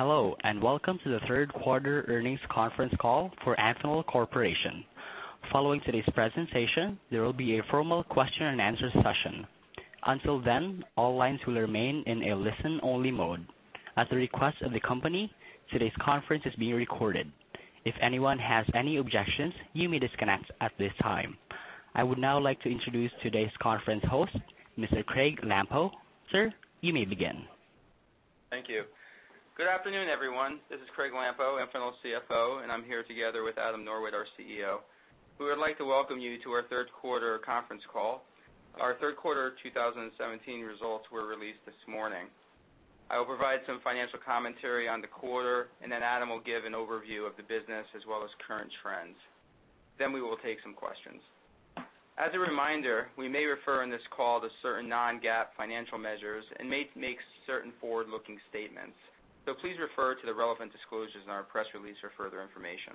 Hello, and welcome to the third quarter earnings conference call for Amphenol Corporation. Following today's presentation, there will be a formal question-and-answer session. Until then, all lines will remain in a listen-only mode. At the request of the company, today's conference is being recorded. If anyone has any objections, you may disconnect at this time. I would now like to introduce today's conference host, Mr. Craig Lampo. Sir, you may begin. Thank you. Good afternoon, everyone. This is Craig Lampo, Amphenol's CFO, and I'm here together with Adam Norwitt, our CEO. We would like to welcome you to our third quarter conference call. Our third quarter 2017 results were released this morning. I will provide some financial commentary on the quarter, and then Adam will give an overview of the business as well as current trends. Then we will take some questions. As a reminder, we may refer in this call to certain non-GAAP financial measures and may make certain forward-looking statements. So please refer to the relevant disclosures in our press release for further information.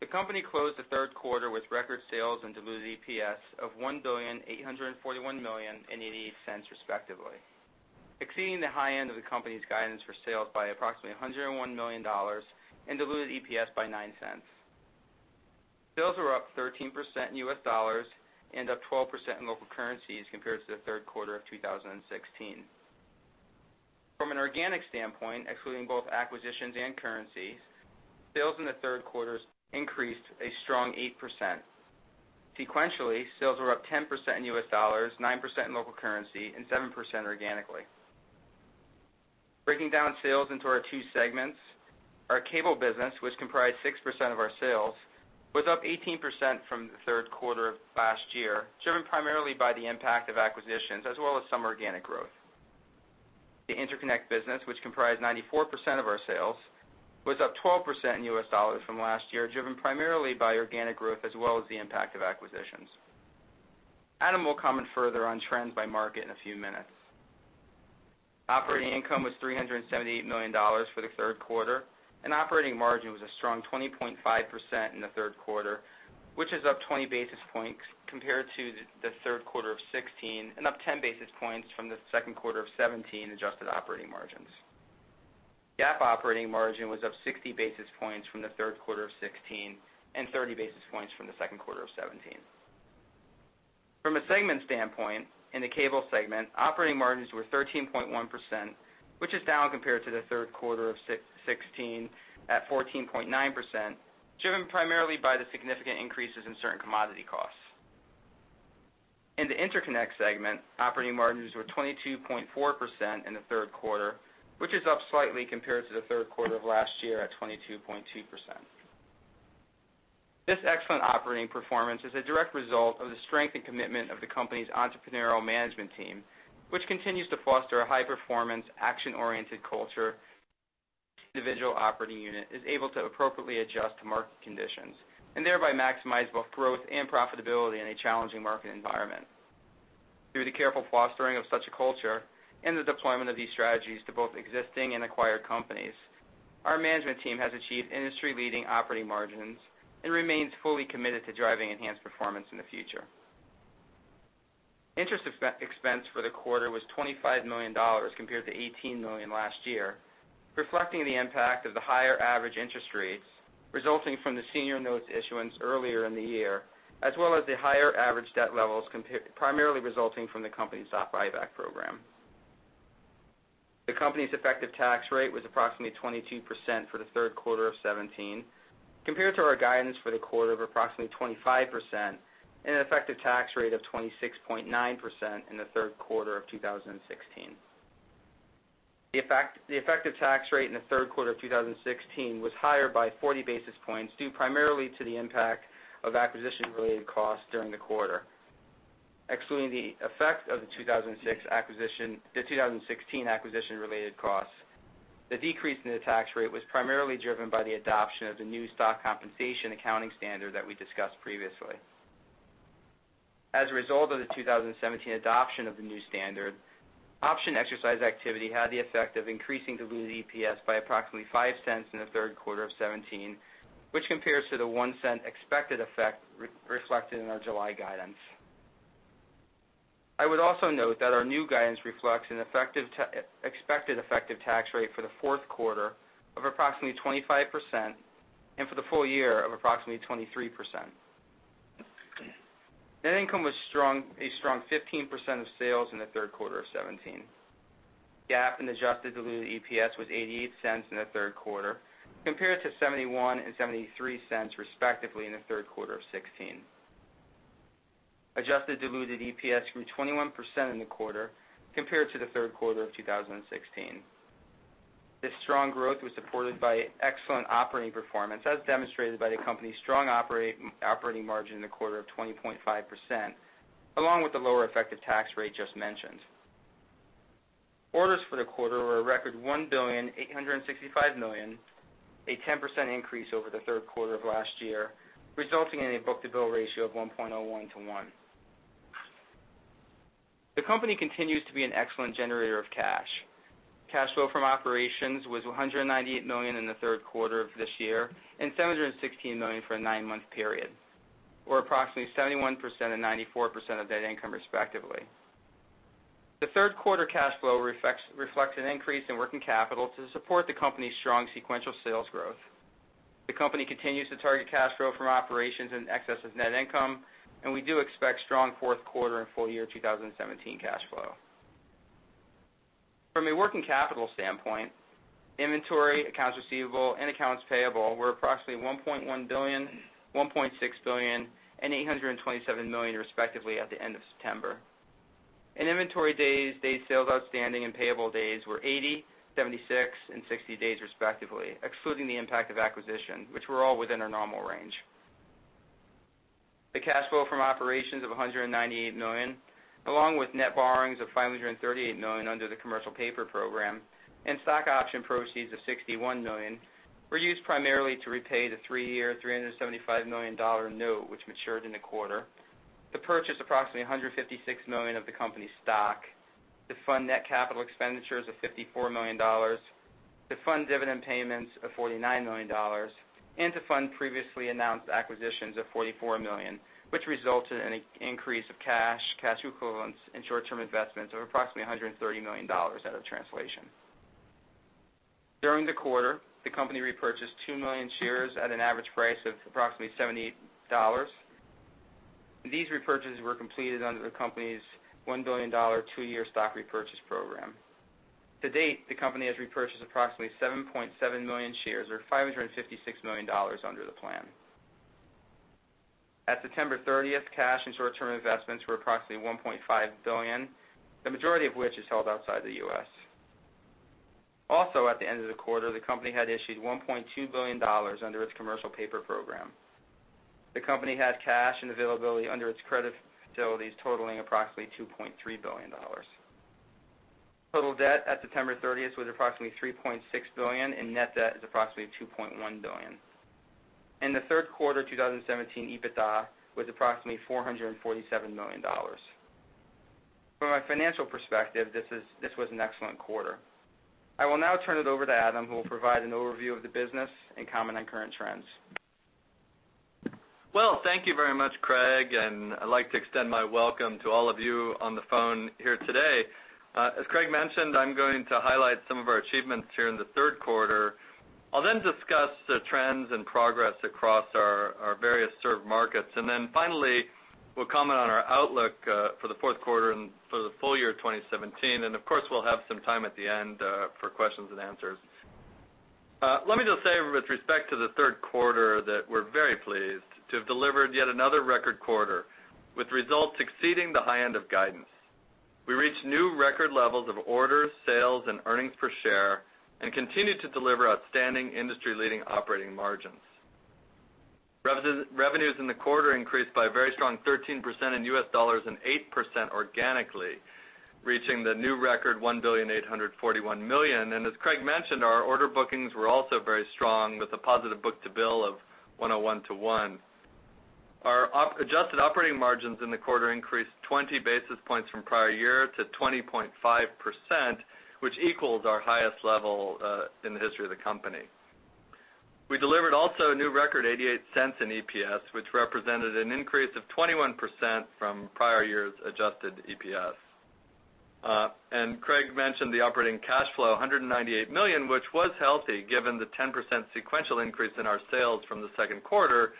The company closed the third quarter with record sales and diluted EPS of $1,841 million and $0.88 respectively, exceeding the high end of the company's guidance for sales by approximately $101 million and diluted EPS by $0.09. Sales were up 13% in US dollars and up 12% in local currencies compared to the third quarter of 2016. From an organic standpoint, excluding both acquisitions and currencies, sales in the third quarter increased a strong 8%. Sequentially, sales were up 10% in US dollars, 9% in local currency, and 7% organically. Breaking down sales into our two segments, our cable business, which comprised 6% of our sales, was up 18% from the third quarter of last year, driven primarily by the impact of acquisitions as well as some organic growth. The interconnect business, which comprised 94% of our sales, was up 12% in US dollars from last year, driven primarily by organic growth as well as the impact of acquisitions. Adam will comment further on trends by market in a few minutes. Operating income was $378 million for the third quarter, and operating margin was a strong 20.5% in the third quarter, which is up 20 basis points compared to the third quarter of 2016 and up 10 basis points from the second quarter of 2017 adjusted operating margins. GAAP operating margin was up 60 basis points from the third quarter of 2016 and 30 basis points from the second quarter of 2017. From a segment standpoint, in the cable segment, operating margins were 13.1%, which is down compared to the third quarter of 2016 at 14.9%, driven primarily by the significant increases in certain commodity costs. In the interconnect segment, operating margins were 22.4% in the third quarter, which is up slightly compared to the third quarter of last year at 22.2%. This excellent operating performance is a direct result of the strength and commitment of the company's entrepreneurial management team, which continues to foster a high-performance, action-oriented culture. Individual operating unit is able to appropriately adjust to market conditions and thereby maximize both growth and profitability in a challenging market environment. Through the careful fostering of such a culture and the deployment of these strategies to both existing and acquired companies, our management team has achieved industry-leading operating margins and remains fully committed to driving enhanced performance in the future. Interest expense for the quarter was $25 million compared to $18 million last year, reflecting the impact of the higher average interest rates resulting from the senior notes issuance earlier in the year, as well as the higher average debt levels primarily resulting from the company's stock buyback program. The company's effective tax rate was approximately 22% for the third quarter of 2017, compared to our guidance for the quarter of approximately 25% and an effective tax rate of 26.9% in the third quarter of 2016. The effective tax rate in the third quarter of 2016 was higher by 40 basis points due primarily to the impact of acquisition-related costs during the quarter. Excluding the effect of the 2016 acquisition-related costs, the decrease in the tax rate was primarily driven by the adoption of the new stock compensation accounting standard that we discussed previously. As a result of the 2017 adoption of the new standard, option exercise activity had the effect of increasing diluted EPS by approximately $0.05 in the third quarter of 2017, which compares to the $0.01 expected effect reflected in our July guidance. I would also note that our new guidance reflects an expected effective tax rate for the fourth quarter of approximately 25% and for the full year of approximately 23%. Net income was a strong 15% of sales in the third quarter of 2017. GAAP and adjusted diluted EPS was $0.88 in the third quarter, compared to $0.71 and $0.73 cents respectively in the third quarter of 2016. Adjusted diluted EPS grew 21% in the quarter compared to the third quarter of 2016. This strong growth was supported by excellent operating performance, as demonstrated by the company's strong operating margin in the quarter of 20.5%, along with the lower effective tax rate just mentioned. Orders for the quarter were a record $1,865 million, a 10% increase over the third quarter of last year, resulting in a book-to-bill ratio of 1.01 to 1. The company continues to be an excellent generator of cash. Cash flow from operations was $198 million in the third quarter of this year and $716 million for a nine-month period, or approximately 71% and 94% of net income respectively. The third quarter cash flow reflects an increase in working capital to support the company's strong sequential sales growth. The company continues to target cash flow from operations in excess of net income, and we do expect strong fourth quarter and full year 2017 cash flow. From a working capital standpoint, inventory, accounts receivable, and accounts payable were approximately $1.1 billion, $1.6 billion, and $827 million respectively at the end of September. Inventory days, days sales outstanding, and payable days were 80, 76, and 60 days respectively, excluding the impact of acquisition, which were all within our normal range. The cash flow from operations of $198 million, along with net borrowings of $538 million under the commercial paper program and stock option proceeds of $61 million, were used primarily to repay the 3-year $375 million note, which matured in the quarter, to purchase approximately $156 million of the company's stock, to fund net capital expenditures of $54 million, to fund dividend payments of $49 million, and to fund previously announced acquisitions of $44 million, which resulted in an increase of cash, cash equivalents, and short-term investments of approximately $130 million at a translation. During the quarter, the company repurchased 2 million shares at an average price of approximately $70. These repurchases were completed under the company's $1 billion two-year stock repurchase program. To date, the company has repurchased approximately 7.7 million shares, or $556 million under the plan. At September 30th, cash and short-term investments were approximately $1.5 billion, the majority of which is held outside the U.S. Also, at the end of the quarter, the company had issued $1.2 billion under its commercial paper program. The company had cash and availability under its credit facilities totaling approximately $2.3 billion. Total debt at September 30th was approximately $3.6 billion, and net debt is approximately $2.1 billion. In the third quarter of 2017, EBITDA was approximately $447 million. From a financial perspective, this was an excellent quarter. I will now turn it over to Adam, who will provide an overview of the business and comment on current trends. Well, thank you very much, Craig, and I'd like to extend my welcome to all of you on the phone here today. As Craig mentioned, I'm going to highlight some of our achievements here in the third quarter. I'll then discuss the trends and progress across our various served markets, and then finally, we'll comment on our outlook for the fourth quarter and for the full year 2017. Of course, we'll have some time at the end for questions-and-answers. Let me just say, with respect to the third quarter, that we're very pleased to have delivered yet another record quarter with results exceeding the high end of guidance. We reached new record levels of orders, sales, and earnings per share and continue to deliver outstanding industry-leading operating margins. Revenues in the quarter increased by a very strong 13% in US dollars and 8% organically, reaching the new record $1,841 million. As Craig mentioned, our order bookings were also very strong with a positive book-to-bill of 101-1. Our adjusted operating margins in the quarter increased 20 basis points from prior year to 20.5%, which equals our highest level in the history of the company. We delivered also a new record $0.88 in EPS, which represented an increase of 21% from prior year's Adjusted EPS. Craig mentioned the operating cash flow, $198 million, which was healthy given the 10% sequential increase in our sales from the second quarter,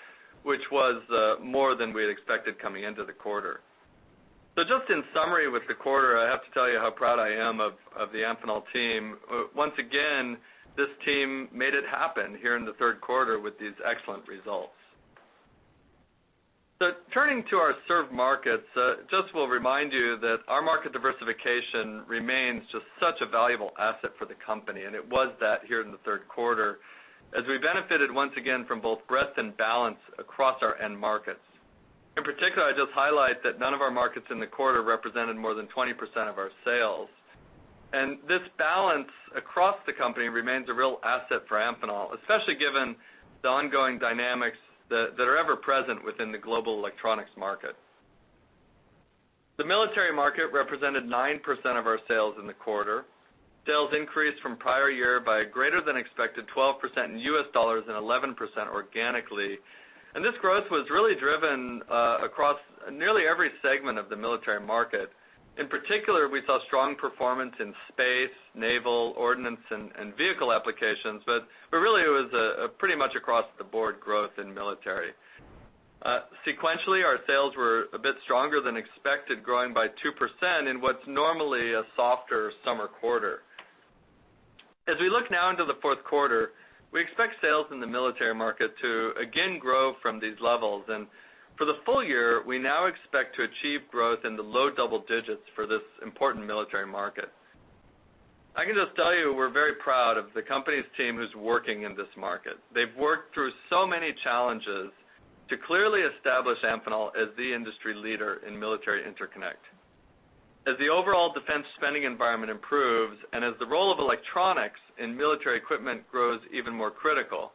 which was more than we had expected coming into the quarter. Just in summary with the quarter, I have to tell you how proud I am of the Amphenol team. Once again, this team made it happen here in the third quarter with these excellent results. Turning to our served markets, just we'll remind you that our market diversification remains just such a valuable asset for the company, and it was that here in the third quarter as we benefited once again from both breadth and balance across our end markets. In particular, I just highlight that none of our markets in the quarter represented more than 20% of our sales. And this balance across the company remains a real asset for Amphenol, especially given the ongoing dynamics that are ever present within the global electronics market. The military market represented 9% of our sales in the quarter. Sales increased from prior year by a greater than expected 12% in US dollars and 11% organically. And this growth was really driven across nearly every segment of the military market. In particular, we saw strong performance in space, naval, ordnance, and vehicle applications, but really it was pretty much across the board growth in military. Sequentially, our sales were a bit stronger than expected, growing by 2% in what's normally a softer summer quarter. As we look now into the fourth quarter, we expect sales in the military market to again grow from these levels. And for the full year, we now expect to achieve growth in the low double digits for this important military market. I can just tell you we're very proud of the company's team who's working in this market. They've worked through so many challenges to clearly establish Amphenol as the industry leader in military interconnect. As the overall defense spending environment improves and as the role of electronics in military equipment grows even more critical,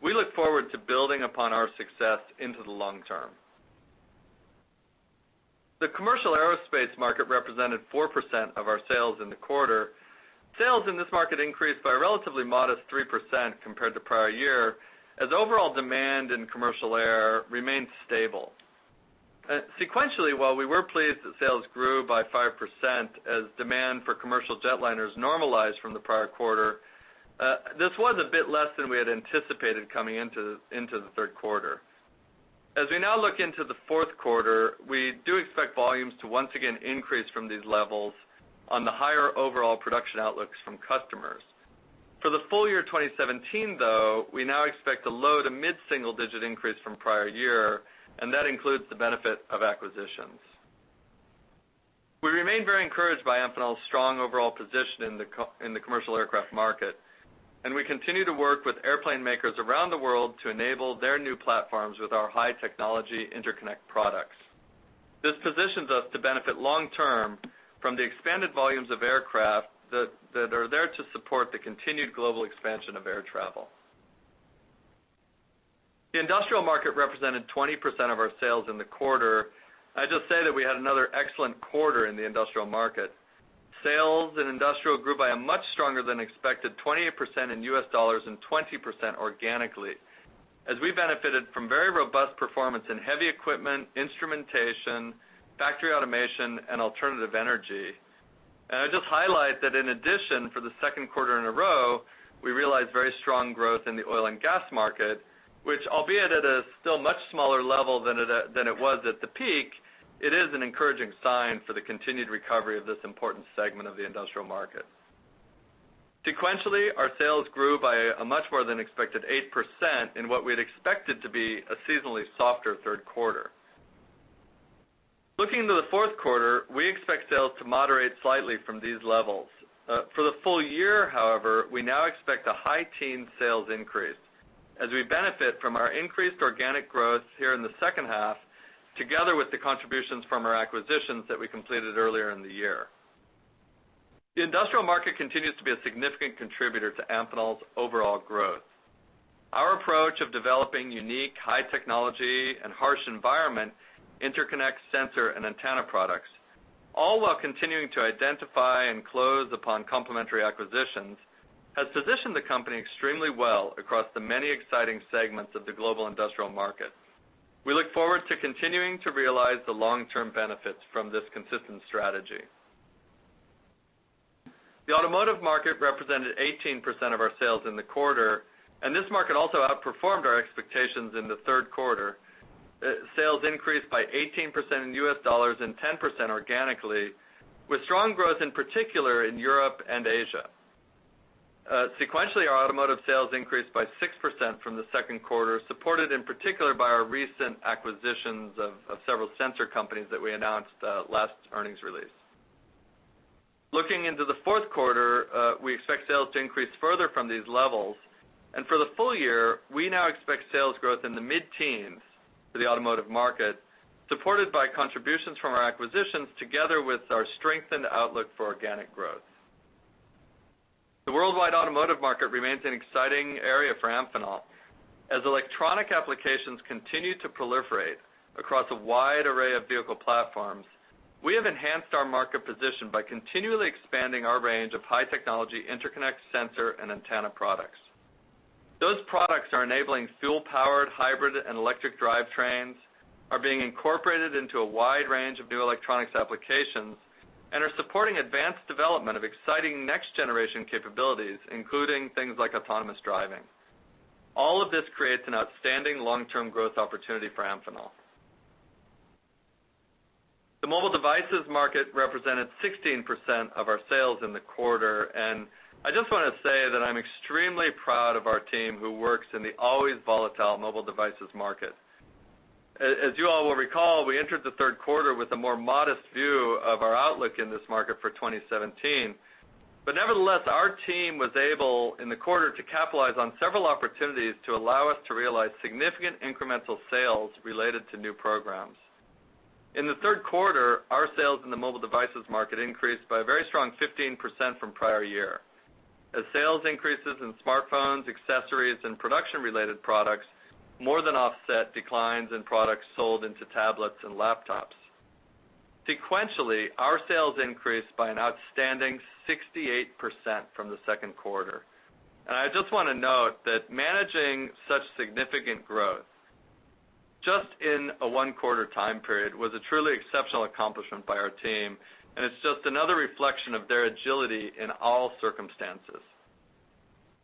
we look forward to building upon our success into the long term. The commercial aerospace market represented 4% of our sales in the quarter. Sales in this market increased by a relatively modest 3% compared to prior year as overall demand in commercial air remained stable. Sequentially, while we were pleased that sales grew by 5% as demand for commercial jetliners normalized from the prior quarter, this was a bit less than we had anticipated coming into the third quarter. As we now look into the fourth quarter, we do expect volumes to once again increase from these levels on the higher overall production outlooks from customers. For the full year 2017, though, we now expect a low to mid-single-digit increase from prior year, and that includes the benefit of acquisitions. We remain very encouraged by Amphenol's strong overall position in the commercial aircraft market, and we continue to work with airplane makers around the world to enable their new platforms with our high-technology interconnect products. This positions us to benefit long term from the expanded volumes of aircraft that are there to support the continued global expansion of air travel. The industrial market represented 20% of our sales in the quarter. I just say that we had another excellent quarter in the industrial market. Sales in industrial grew by a much stronger than expected 28% in US dollars and 20% organically as we benefited from very robust performance in heavy equipment, instrumentation, factory automation, and alternative energy. I just highlight that in addition, for the second quarter in a row, we realized very strong growth in the oil and gas market, which, albeit at a still much smaller level than it was at the peak, is an encouraging sign for the continued recovery of this important segment of the industrial market. Sequentially, our sales grew by a much more than expected 8% in what we had expected to be a seasonally softer third quarter. Looking into the fourth quarter, we expect sales to moderate slightly from these levels. For the full year, however, we now expect a high-teens sales increase as we benefit from our increased organic growth here in the second half, together with the contributions from our acquisitions that we completed earlier in the year. The industrial market continues to be a significant contributor to Amphenol's overall growth. Our approach of developing unique high-technology and harsh environment interconnect sensor and antenna products, all while continuing to identify and close upon complementary acquisitions, has positioned the company extremely well across the many exciting segments of the global industrial market. We look forward to continuing to realize the long-term benefits from this consistent strategy. The automotive market represented 18% of our sales in the quarter, and this market also outperformed our expectations in the third quarter. Sales increased by 18% in US dollars and 10% organically, with strong growth in particular in Europe and Asia. Sequentially, our automotive sales increased by 6% from the second quarter, supported in particular by our recent acquisitions of several sensor companies that we announced last earnings release. Looking into the fourth quarter, we expect sales to increase further from these levels. For the full year, we now expect sales growth in the mid-teens for the automotive market, supported by contributions from our acquisitions together with our strengthened outlook for organic growth. The worldwide automotive market remains an exciting area for Amphenol. As electronic applications continue to proliferate across a wide array of vehicle platforms, we have enhanced our market position by continually expanding our range of high-technology interconnect sensor and antenna products. Those products are enabling fuel-powered hybrid and electric drivetrains, are being incorporated into a wide range of new electronics applications, and are supporting advanced development of exciting next-generation capabilities, including things like autonomous driving. All of this creates an outstanding long-term growth opportunity for Amphenol. The mobile devices market represented 16% of our sales in the quarter, and I just want to say that I'm extremely proud of our team who works in the always volatile mobile devices market. As you all will recall, we entered the third quarter with a more modest view of our outlook in this market for 2017. But nevertheless, our team was able in the quarter to capitalize on several opportunities to allow us to realize significant incremental sales related to new programs. In the third quarter, our sales in the mobile devices market increased by a very strong 15% from prior year as sales increases in smartphones, accessories, and production-related products more than offset declines in products sold into tablets and laptops. Sequentially, our sales increased by an outstanding 68% from the second quarter. I just want to note that managing such significant growth just in a one-quarter time period was a truly exceptional accomplishment by our team, and it's just another reflection of their agility in all circumstances.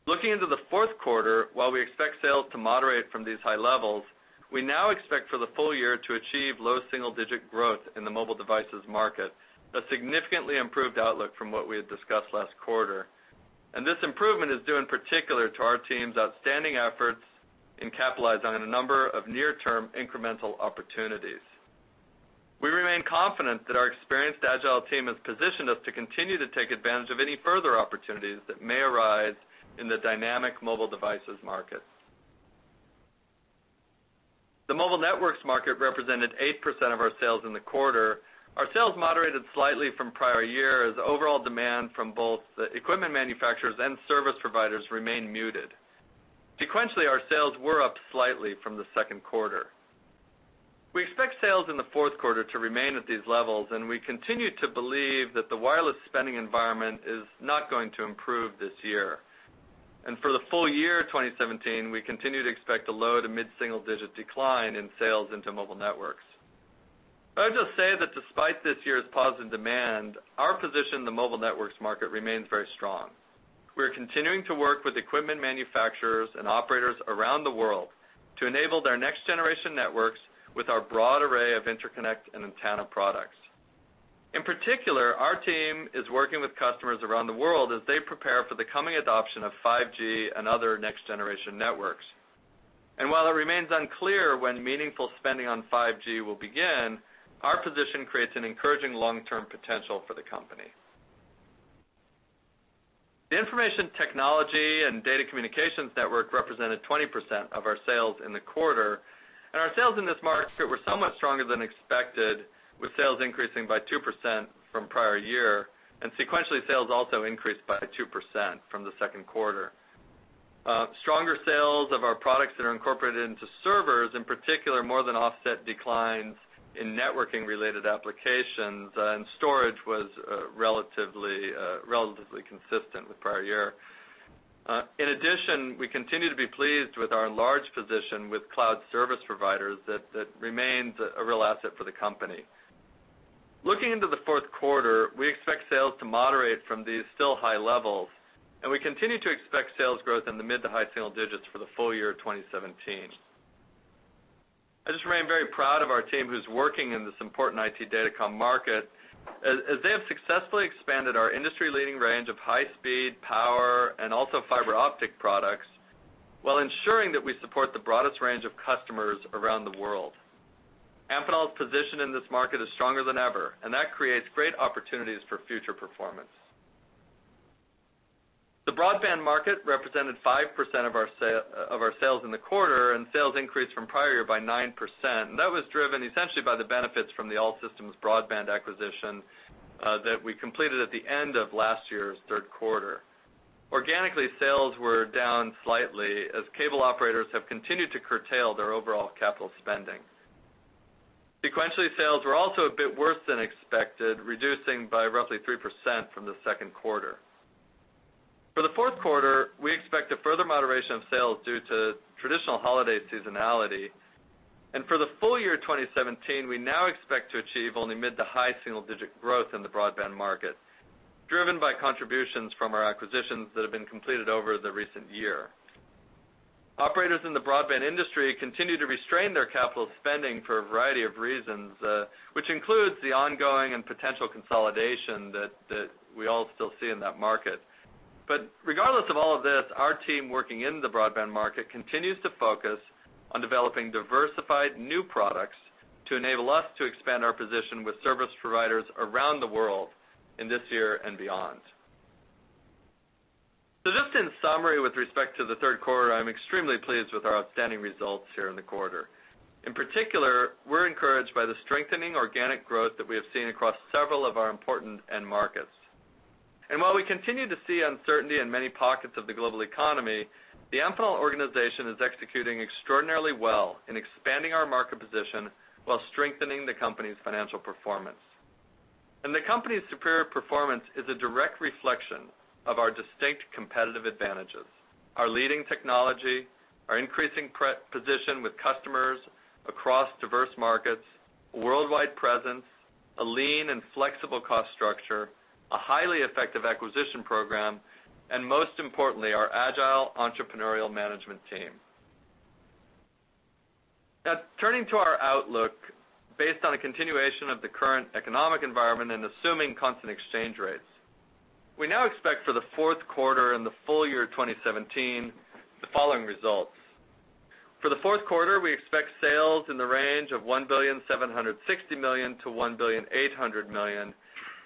Looking into the fourth quarter, while we expect sales to moderate from these high levels, we now expect for the full year to achieve low single-digit growth in the mobile devices market, a significantly improved outlook from what we had discussed last quarter. This improvement is due in particular to our team's outstanding efforts in capitalizing on a number of near-term incremental opportunities. We remain confident that our experienced agile team has positioned us to continue to take advantage of any further opportunities that may arise in the dynamic mobile devices market. The mobile networks market represented 8% of our sales in the quarter. Our sales moderated slightly from prior year as overall demand from both the equipment manufacturers and service providers remained muted. Sequentially, our sales were up slightly from the second quarter. We expect sales in the fourth quarter to remain at these levels, and we continue to believe that the wireless spending environment is not going to improve this year. For the full year 2017, we continue to expect a low to mid-single-digit decline in sales into mobile networks. I would just say that despite this year's positive demand, our position in the mobile networks market remains very strong. We're continuing to work with equipment manufacturers and operators around the world to enable their next-generation networks with our broad array of interconnect and antenna products. In particular, our team is working with customers around the world as they prepare for the coming adoption of 5G and other next-generation networks. While it remains unclear when meaningful spending on 5G will begin, our position creates an encouraging long-term potential for the company. The information technology and data communications network represented 20% of our sales in the quarter, and our sales in this market were somewhat stronger than expected, with sales increasing by 2% from prior year. Sequentially, sales also increased by 2% from the second quarter. Stronger sales of our products that are incorporated into servers, in particular, more than offset declines in networking-related applications, and storage was relatively consistent with prior year. In addition, we continue to be pleased with our enlarged position with cloud service providers that remains a real asset for the company. Looking into the fourth quarter, we expect sales to moderate from these still high levels, and we continue to expect sales growth in the mid to high single digits for the full year 2017. I just remain very proud of our team who's working in this important IT Datacom market as they have successfully expanded our industry-leading range of high-speed power and also fiber optic products while ensuring that we support the broadest range of customers around the world. Amphenol's position in this market is stronger than ever, and that creates great opportunities for future performance. The broadband market represented 5% of our sales in the quarter, and sales increased from prior year by 9%. That was driven essentially by the benefits from the All Systems Broadband acquisition that we completed at the end of last year's third quarter. Organically, sales were down slightly as cable operators have continued to curtail their overall capital spending. Sequentially, sales were also a bit worse than expected, reducing by roughly 3% from the second quarter. For the fourth quarter, we expect a further moderation of sales due to traditional holiday seasonality. For the full year 2017, we now expect to achieve only mid to high single-digit growth in the broadband market, driven by contributions from our acquisitions that have been completed over the recent year. Operators in the broadband industry continue to restrain their capital spending for a variety of reasons, which includes the ongoing and potential consolidation that we all still see in that market. Regardless of all of this, our team working in the broadband market continues to focus on developing diversified new products to enable us to expand our position with service providers around the world in this year and beyond. Just in summary, with respect to the third quarter, I'm extremely pleased with our outstanding results here in the quarter. In particular, we're encouraged by the strengthening organic growth that we have seen across several of our important end markets. While we continue to see uncertainty in many pockets of the global economy, the Amphenol organization is executing extraordinarily well in expanding our market position while strengthening the company's financial performance. The company's superior performance is a direct reflection of our distinct competitive advantages: our leading technology, our increasing position with customers across diverse markets, a worldwide presence, a lean and flexible cost structure, a highly effective acquisition program, and most importantly, our agile entrepreneurial management team. Now, turning to our outlook based on a continuation of the current economic environment and assuming constant exchange rates, we now expect for the fourth quarter and the full year 2017 the following results. For the fourth quarter, we expect sales in the range of $1,760 million-$1,800 million,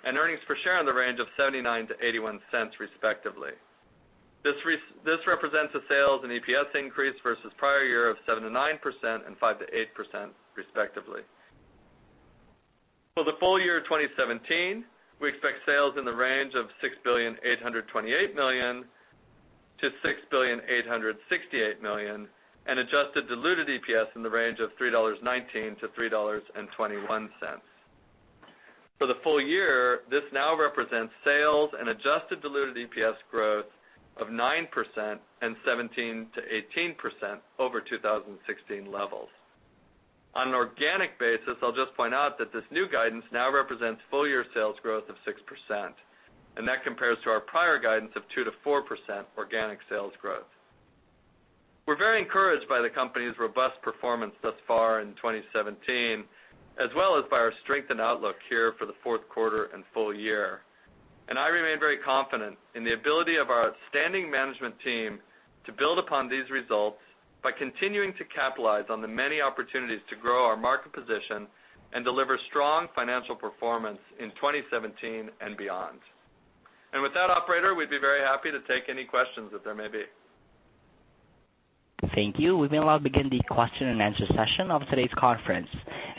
and earnings per share in the range of $0.79-$0.81, respectively. This represents a sales and EPS increase versus prior year of 7% to 9% and 5%-8%, respectively. For the full year 2017, we expect sales in the range of $6,828 million-$6,868 million, and adjusted diluted EPS in the range of $3.19-$3.21. For the full year, this now represents sales and adjusted diluted EPS growth of 9% and 17%-18% over 2016 levels. On an organic basis, I'll just point out that this new guidance now represents full year sales growth of 6%, and that compares to our prior guidance of 2%-4% organic sales growth. We're very encouraged by the company's robust performance thus far in 2017, as well as by our strengthened outlook here for the fourth quarter and full year. I remain very confident in the ability of our outstanding management team to build upon these results by continuing to capitalize on the many opportunities to grow our market position and deliver strong financial performance in 2017 and beyond. And with that, Operator, we'd be very happy to take any questions that there may be. Thank you. We may now begin the question-and-answer session of today's conference.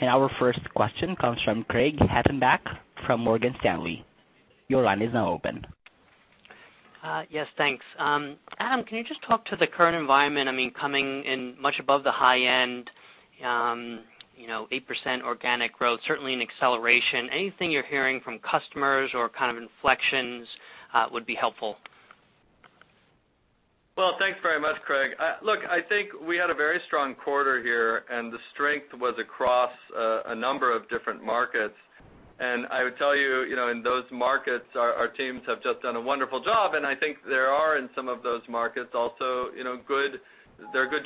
Our first question comes from Craig Hettenbach from Morgan Stanley. Your line is now open. Yes, thanks. Adam, can you just talk to the current environment? I mean, coming in much above the high end, 8% organic growth, certainly an acceleration. Anything you're hearing from customers or kind of inflections would be helpful. Well, thanks very much, Craig. Look, I think we had a very strong quarter here, and the strength was across a number of different markets. I would tell you, in those markets, our teams have just done a wonderful job. And I think there are, in some of those markets, also good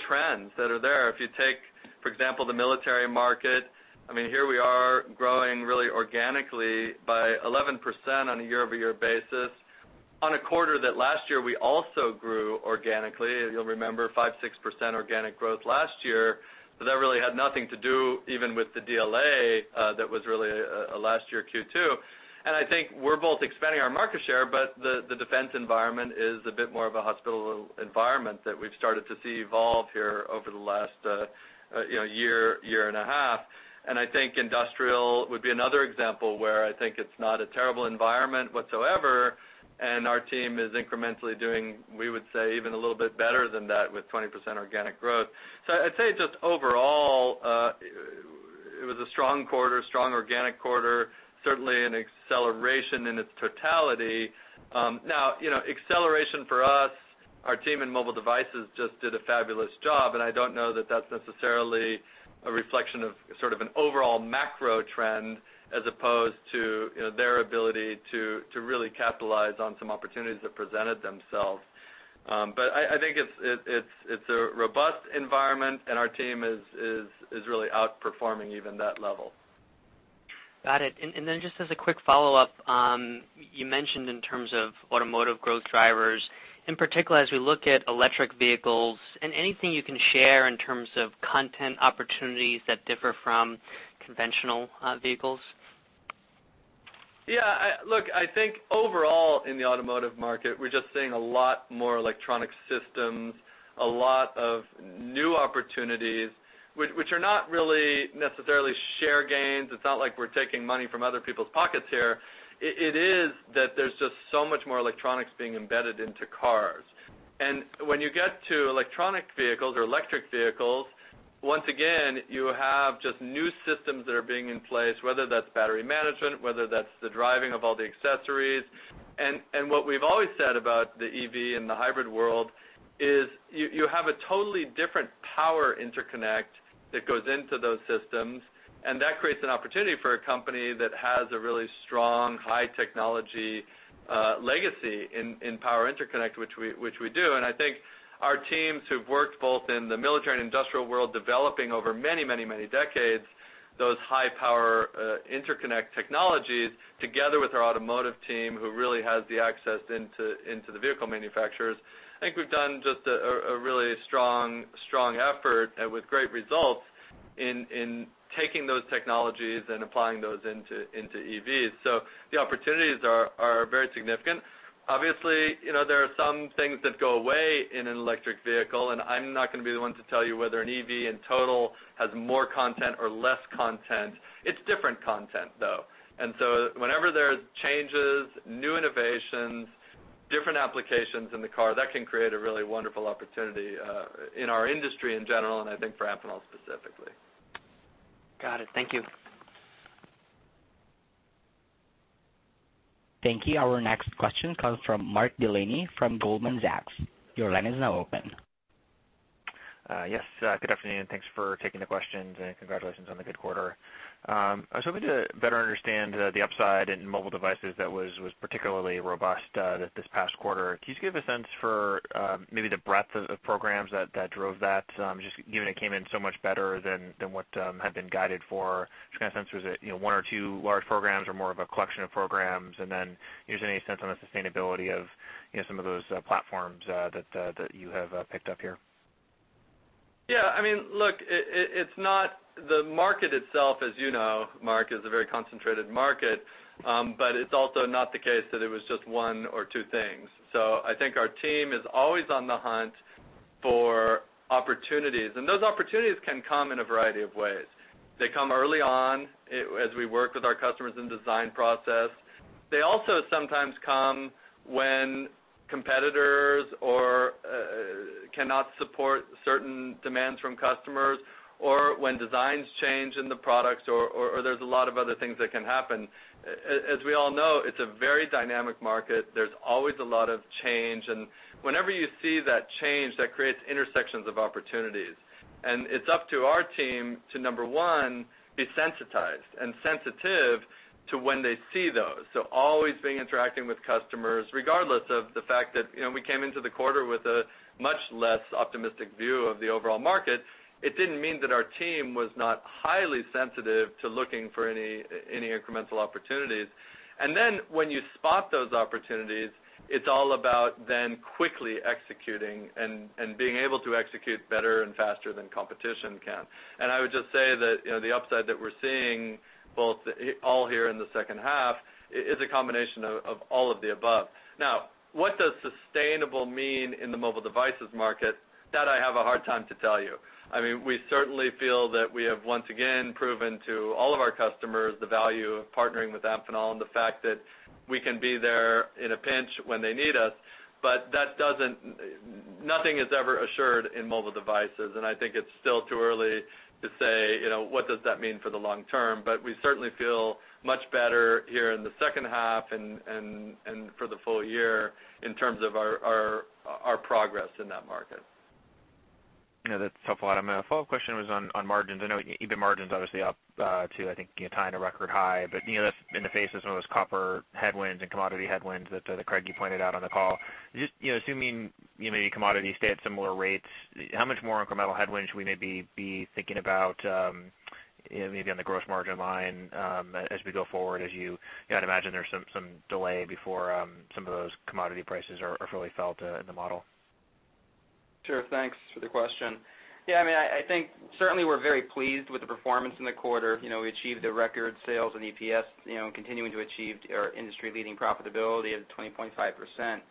trends that are there. If you take, for example, the military market, I mean, here we are growing really organically by 11% on a year-over-year basis on a quarter that last year we also grew organically. You'll remember 5% to 6% organic growth last year, but that really had nothing to do even with the DLA that was really a last-year Q2. And I think we're both expanding our market share, but the defense environment is a bit more of a hospital environment that we've started to see evolve here over the last year, year and a half. And I think industrial would be another example where I think it's not a terrible environment whatsoever, and our team is incrementally doing, we would say, even a little bit better than that with 20% organic growth. So I'd say just overall, it was a strong quarter, strong organic quarter, certainly an acceleration in its totality. Now, acceleration for us, our team in mobile devices just did a fabulous job, and I don't know that that's necessarily a reflection of sort of an overall macro trend as opposed to their ability to really capitalize on some opportunities that presented themselves. But I think it's a robust environment, and our team is really outperforming even that level. Got it. And then just as a quick follow-up, you mentioned in terms of automotive growth drivers, in particular, as we look at electric vehicles. Anything you can share in terms of content opportunities that differ from conventional vehicles? Yeah. Look, I think overall in the automotive market, we're just seeing a lot more electronic systems, a lot of new opportunities, which are not really necessarily share gains. It's not like we're taking money from other people's pockets here. It is that there's just so much more electronics being embedded into cars. And when you get to electronic vehicles or electric vehicles, once again, you have just new systems that are being in place, whether that's battery management, whether that's the driving of all the accessories. And what we've always said about the EV and the hybrid world is you have a totally different power interconnect that goes into those systems, and that creates an opportunity for a company that has a really strong high-technology legacy in power interconnect, which we do. I think our teams who've worked both in the military and industrial world developing over many, many, many decades those high-power interconnect technologies together with our automotive team, who really has the access into the vehicle manufacturers. I think we've done just a really strong effort with great results in taking those technologies and applying those into EVs. The opportunities are very significant. Obviously, there are some things that go away in an electric vehicle, and I'm not going to be the one to tell you whether an EV in total has more content or less content. It's different content, though. Whenever there are changes, new innovations, different applications in the car, that can create a really wonderful opportunity in our industry in general and I think for Amphenol specifically. Got it. Thank you. Thank you. Our next question comes from Mark Delaney from Goldman Sachs. Your line is now open. Yes. Good afternoon, and thanks for taking the questions, and congratulations on the good quarter. I was hoping to better understand the upside in mobile devices that was particularly robust this past quarter. Can you give a sense for maybe the breadth of programs that drove that, just given it came in so much better than what had been guided for? Just kind of a sense was it one or two large programs or more of a collection of programs? And then is there any sense on the sustainability of some of those platforms that you have picked up here? Yeah. I mean, look, it's not the market itself, as you know, Mark, is a very concentrated market, but it's also not the case that it was just one or two things. I think our team is always on the hunt for opportunities, and those opportunities can come in a variety of ways. They come early on as we work with our customers in the design process. They also sometimes come when competitors cannot support certain demands from customers or when designs change in the products or there's a lot of other things that can happen. As we all know, it's a very dynamic market. There's always a lot of change, and whenever you see that change, that creates intersections of opportunities. It's up to our team to, number one, be sensitized and sensitive to when they see those. So always being interacting with customers, regardless of the fact that we came into the quarter with a much less optimistic view of the overall market, it didn't mean that our team was not highly sensitive to looking for any incremental opportunities. And then when you spot those opportunities, it's all about then quickly executing and being able to execute better and faster than competition can. And I would just say that the upside that we're seeing all here in the second half is a combination of all of the above. Now, what does sustainable mean in the mobile devices market? That I have a hard time to tell you. I mean, we certainly feel that we have once again proven to all of our customers the value of partnering with Amphenol and the fact that we can be there in a pinch when they need us, but nothing is ever assured in mobile devices. And I think it's still too early to say what does that mean for the long term, but we certainly feel much better here in the second half and for the full year in terms of our progress in that market. Yeah. That's helpful. Adam, my follow-up question was on margins. I know EBIT margins obviously up to, I think, tying a record high, but that's in the face of some of those copper headwinds and commodity headwinds that Craig pointed out on the call. Assuming maybe commodities stay at similar rates, how much more incremental headwinds should we maybe be thinking about maybe on the gross margin line as we go forward as you had imagined there's some delay before some of those commodity prices are fully felt in the model? Sure. Thanks for the question. Yeah. I mean, I think certainly we're very pleased with the performance in the quarter. We achieved the record sales and EPS, continuing to achieve our industry-leading profitability of 20.5%.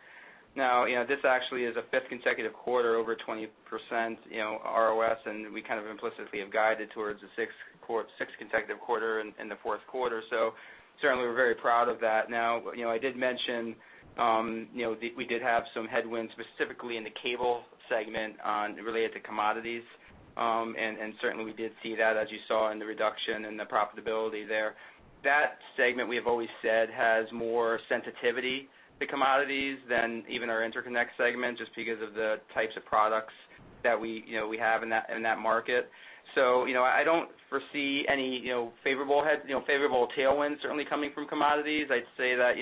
Now, this actually is a fifth consecutive quarter over 20% RoHS, and we kind of implicitly have guided towards a sixth consecutive quarter in the fourth quarter. So certainly, we're very proud of that. Now, I did mention we did have some headwinds specifically in the cable segment related to commodities, and certainly, we did see that, as you saw, in the reduction in the profitability there. That segment, we have always said, has more sensitivity to commodities than even our interconnect segment just because of the types of products that we have in that market. So I don't foresee any favorable tailwinds certainly coming from commodities. I'd say that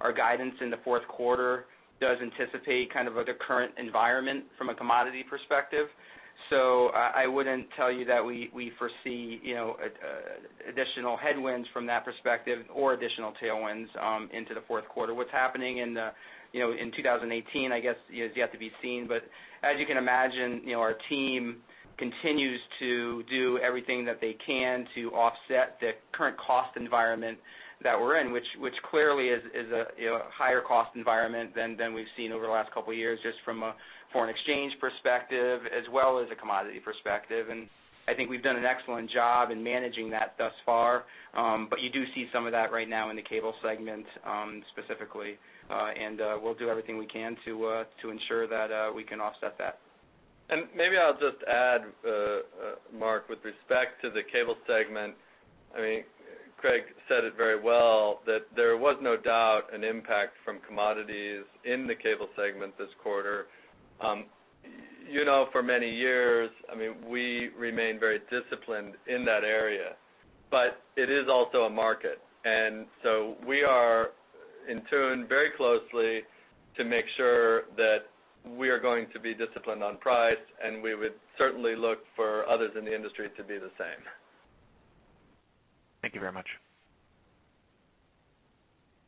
our guidance in the fourth quarter does anticipate kind of the current environment from a commodity perspective. So I wouldn't tell you that we foresee additional headwinds from that perspective or additional tailwinds into the fourth quarter. What's happening in 2018, I guess, is yet to be seen, but as you can imagine, our team continues to do everything that they can to offset the current cost environment that we're in, which clearly is a higher cost environment than we've seen over the last couple of years just from a foreign exchange perspective as well as a commodity perspective. And I think we've done an excellent job in managing that thus far, but you do see some of that right now in the cable segment specifically, and we'll do everything we can to ensure that we can offset that. And maybe I'll just add, Mark, with respect to the cable segment, I mean, Craig said it very well that there was no doubt an impact from commodities in the cable segment this quarter. For many years, I mean, we remained very disciplined in that area, but it is also a market. And so we are in tune very closely to make sure that we are going to be disciplined on price, and we would certainly look for others in the industry to be the same. Thank you very much.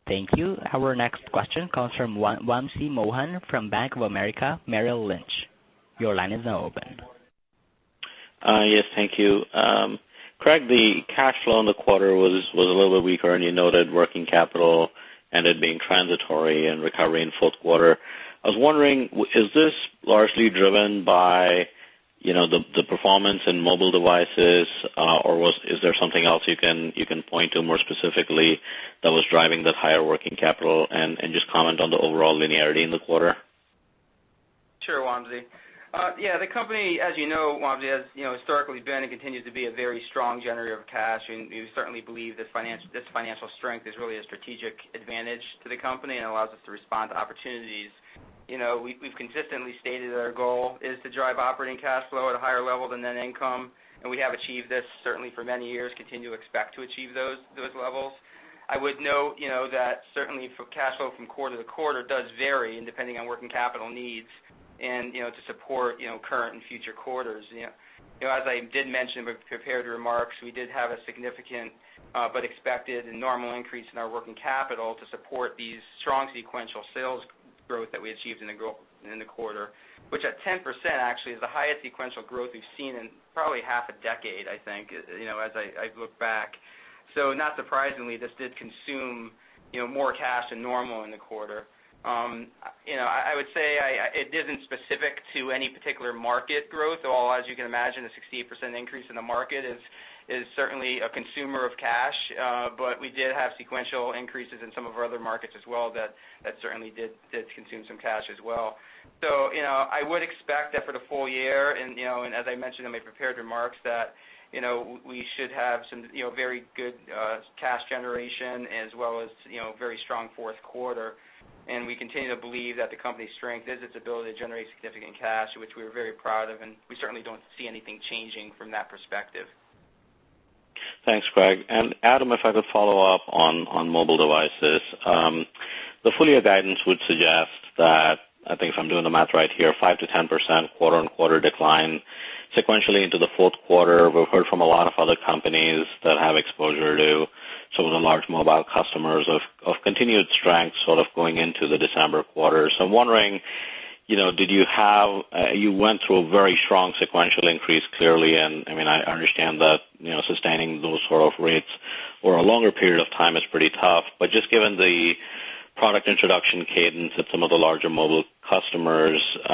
Thank you. Our next question comes from Wamsi Mohan from Bank of America Merrill Lynch. Your line is now open. Yes. Thank you. Craig, the cash flow in the quarter was a little bit weaker, and you noted working capital ended up being transitory and recovery in fourth quarter. I was wondering, is this largely driven by the performance in mobile devices, or is there something else you can point to more specifically that was driving that higher working capital and just comment on the overall linearity in the quarter? Sure, Wamsi. Yeah. The company, as you know, Wamsi has historically been and continues to be a very strong generator of cash, and we certainly believe this financial strength is really a strategic advantage to the company and allows us to respond to opportunities. We've consistently stated that our goal is to drive operating cash flow at a higher level than net income, and we have achieved this certainly for many years. Continue to expect to achieve those levels. I would note that certainly cash flow from quarter-to-quarter does vary depending on working capital needs and to support current and future quarters. As I did mention in my prepared remarks, we did have a significant but expected and normal increase in our working capital to support these strong sequential sales growth that we achieved in the quarter, which at 10% actually is the highest sequential growth we've seen in probably half a decade, I think, as I look back. So not surprisingly, this did consume more cash than normal in the quarter. I would say it isn't specific to any particular market growth. As you can imagine, a 68% increase in the market is certainly a consumer of cash, but we did have sequential increases in some of our other markets as well that certainly did consume some cash as well. So I would expect that for the full year, and as I mentioned in my prepared remarks, that we should have some very good cash generation as well as very strong fourth quarter. And we continue to believe that the company's strength is its ability to generate significant cash, which we are very proud of, and we certainly don't see anything changing from that perspective. Thanks, Craig. And Adam, if I could follow up on mobile devices, the full year guidance would suggest that, I think if I'm doing the math right here, 5%-10% quarter-on-quarter decline sequentially into the fourth quarter. We've heard from a lot of other companies that have exposure to some of the large mobile customers of continued strength sort of going into the December quarter. So I'm wondering, did you have you went through a very strong sequential increase clearly, and I mean, I understand that sustaining those sort of rates over a longer period of time is pretty tough, but just given the product introduction cadence at some of the larger mobile customers, the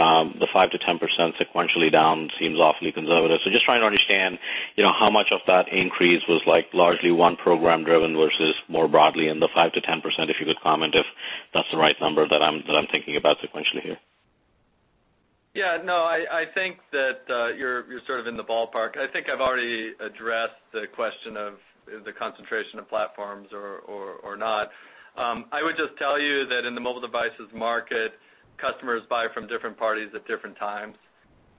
5%-10% sequentially down seems awfully conservative. So just trying to understand how much of that increase was largely one program driven versus more broadly in the 5%-10%, if you could comment if that's the right number that I'm thinking about sequentially here. Yeah. No. I think that you're sort of in the ballpark. I think I've already addressed the question of the concentration of platforms or not. I would just tell you that in the mobile devices market, customers buy from different parties at different times,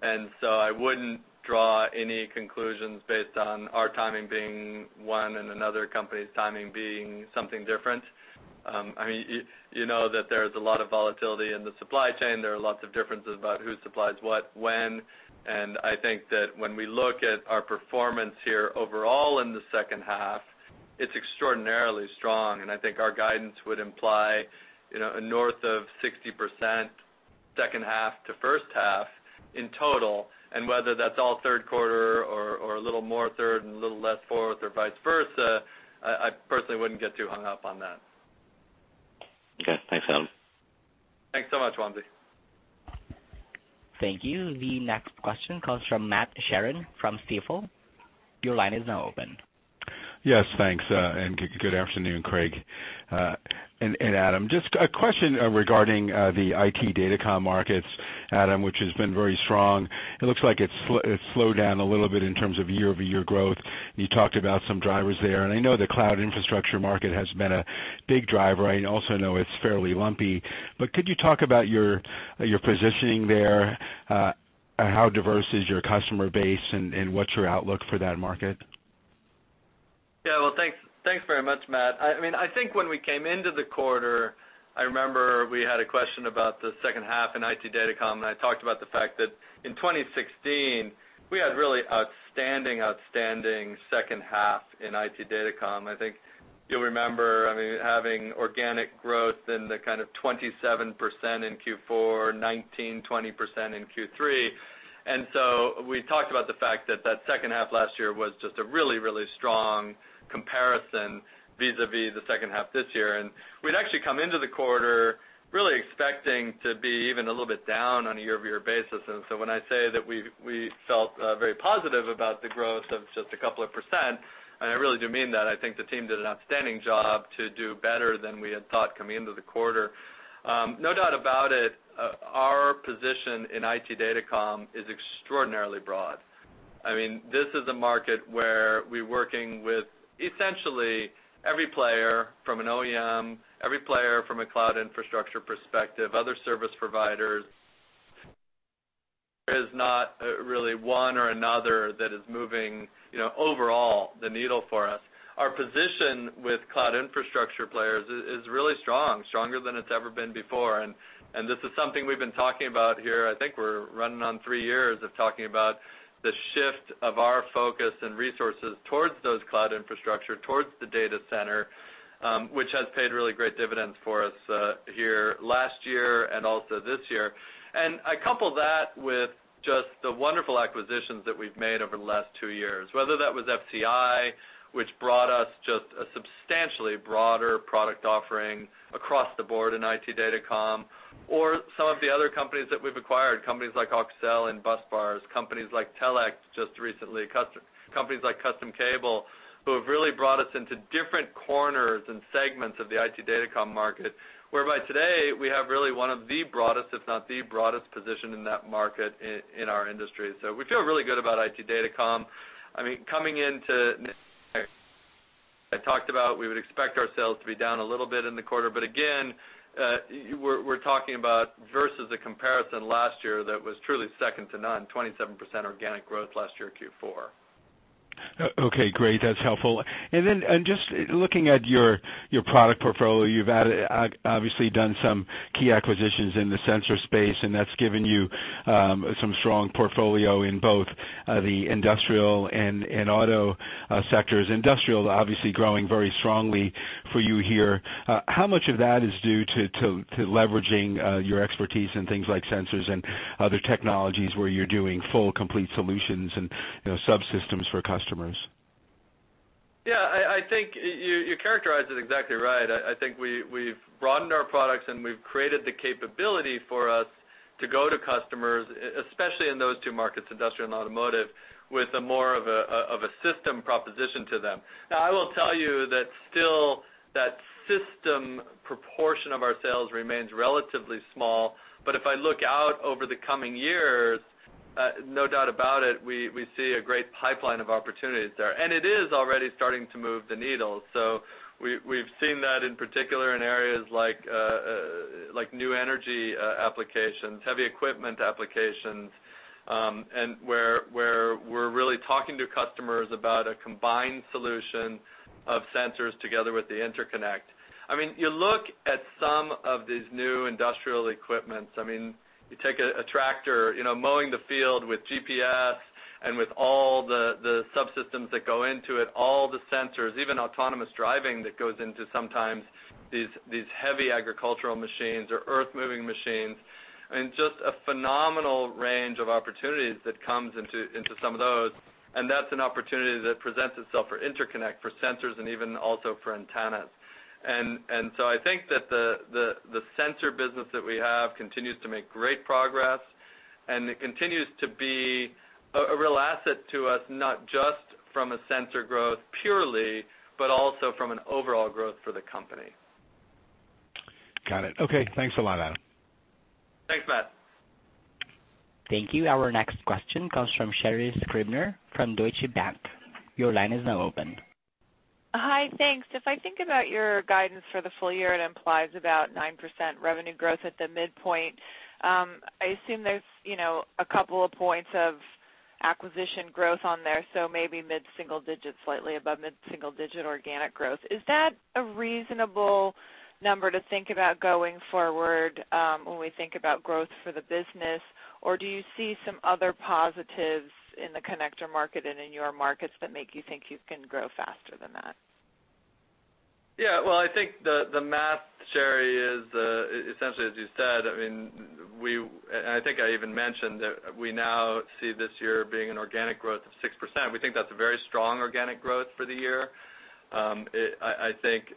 and so I wouldn't draw any conclusions based on our timing being one and another company's timing being something different. I mean, you know that there is a lot of volatility in the supply chain. There are lots of differences about who supplies what, when, and I think that when we look at our performance here overall in the second half, it's extraordinarily strong, and I think our guidance would imply a north of 60% second half to first half in total. And whether that's all third quarter or a little more third and a little less fourth or vice versa, I personally wouldn't get too hung up on that. Okay. Thanks, Adam. Thanks so much, Wamsi. Thank you. The next question comes from Matt Sheerin from Stifel. Your line is now open. Yes. Thanks. And good afternoon, Craig. And Adam, just a question regarding the IT datacom markets, Adam, which has been very strong. It looks like it's slowed down a little bit in terms of year-over-year growth. You talked about some drivers there, and I know the cloud infrastructure market has been a big driver. I also know it's fairly lumpy, but could you talk about your positioning there? How diverse is your customer base and what's your outlook for that market? Yeah. Well, thanks very much, Matt. I mean, I think when we came into the quarter, I remember we had a question about the second half in IT Datacom, and I talked about the fact that in 2016, we had really outstanding, outstanding second half in IT Datacom. I think you'll remember, I mean, having organic growth in the kind of 27% in Q4, 19%-20% in Q3. And so we talked about the fact that that second half last year was just a really, really strong comparison vis-à-vis the second half this year, and we'd actually come into the quarter really expecting to be even a little bit down on a year-over-year basis. And so when I say that we felt very positive about the growth of just a couple of percent, I really do mean that. I think the team did an outstanding job to do better than we had thought coming into the quarter. No doubt about it, our position in IT Datacom is extraordinarily broad. I mean, this is a market where we're working with essentially every player from an OEM, every player from a cloud infrastructure perspective, other service providers. There is not really one or another that is moving overall the needle for us. Our position with cloud infrastructure players is really strong, stronger than it's ever been before, and this is something we've been talking about here. I think we're running on three years of talking about the shift of our focus and resources towards those cloud infrastructure, towards the data center, which has paid really great dividends for us here last year and also this year. I couple that with just the wonderful acquisitions that we've made over the last two years, whether that was FCI, which brought us just a substantially broader product offering across the board in IT Datacom, or some of the other companies that we've acquired, companies like Auxel and busbars, companies like Telect just recently, companies like Custom Cable, who have really brought us into different corners and segments of the IT Datacom market, whereby today we have really one of the broadest, if not the broadest, positions in that market in our industry. So we feel really good about IT Datacom. I mean, coming into next year, I talked about we would expect our sales to be down a little bit in the quarter, but again, we're talking about versus a comparison last year that was truly second to none, 27% organic growth last year Q4. Okay. Great. That's helpful. And then just looking at your product portfolio, you've obviously done some key acquisitions in the sensor space, and that's given you some strong portfolio in both the industrial and auto sectors. Industrial, obviously, growing very strongly for you here. How much of that is due to leveraging your expertise in things like sensors and other technologies where you're doing full complete solutions and subsystems for customers? Yeah. I think you characterized it exactly right. I think we've broadened our products, and we've created the capability for us to go to customers, especially in those two markets, industrial and automotive, with more of a system proposition to them. Now, I will tell you that still that system proportion of our sales remains relatively small, but if I look out over the coming years, no doubt about it, we see a great pipeline of opportunities there, and it is already starting to move the needle. So we've seen that in particular in areas like new energy applications, heavy equipment applications, and where we're really talking to customers about a combined solution of sensors together with the interconnect. I mean, you look at some of these new industrial equipment. I mean, you take a tractor, mowing the field with GPS and with all the subsystems that go into it, all the sensors, even autonomous driving that goes into sometimes these heavy agricultural machines or earth-moving machines, and just a phenomenal range of opportunities that comes into some of those, and that's an opportunity that presents itself for interconnect, for sensors, and even also for antennas. And so I think that the sensor business that we have continues to make great progress, and it continues to be a real asset to us, not just from a sensor growth purely, but also from an overall growth for the company. Got it. Okay. Thanks a lot, Adam. Thanks, Matt. Thank you. Our next question comes from Sherri Scribner from Deutsche Bank. Your line is now open. Hi. Thanks. If I think about your guidance for the full year, it implies about 9% revenue growth at the midpoint. I assume there's a couple of points of acquisition growth on there, so maybe mid-single digit, slightly above mid-single digit organic growth. Is that a reasonable number to think about going forward when we think about growth for the business, or do you see some other positives in the connector market and in your markets that make you think you can grow faster than that? Yeah. Well, I think the math, Sherri, is essentially as you said. I mean, and I think I even mentioned that we now see this year being an organic growth of 6%. We think that's a very strong organic growth for the year. I think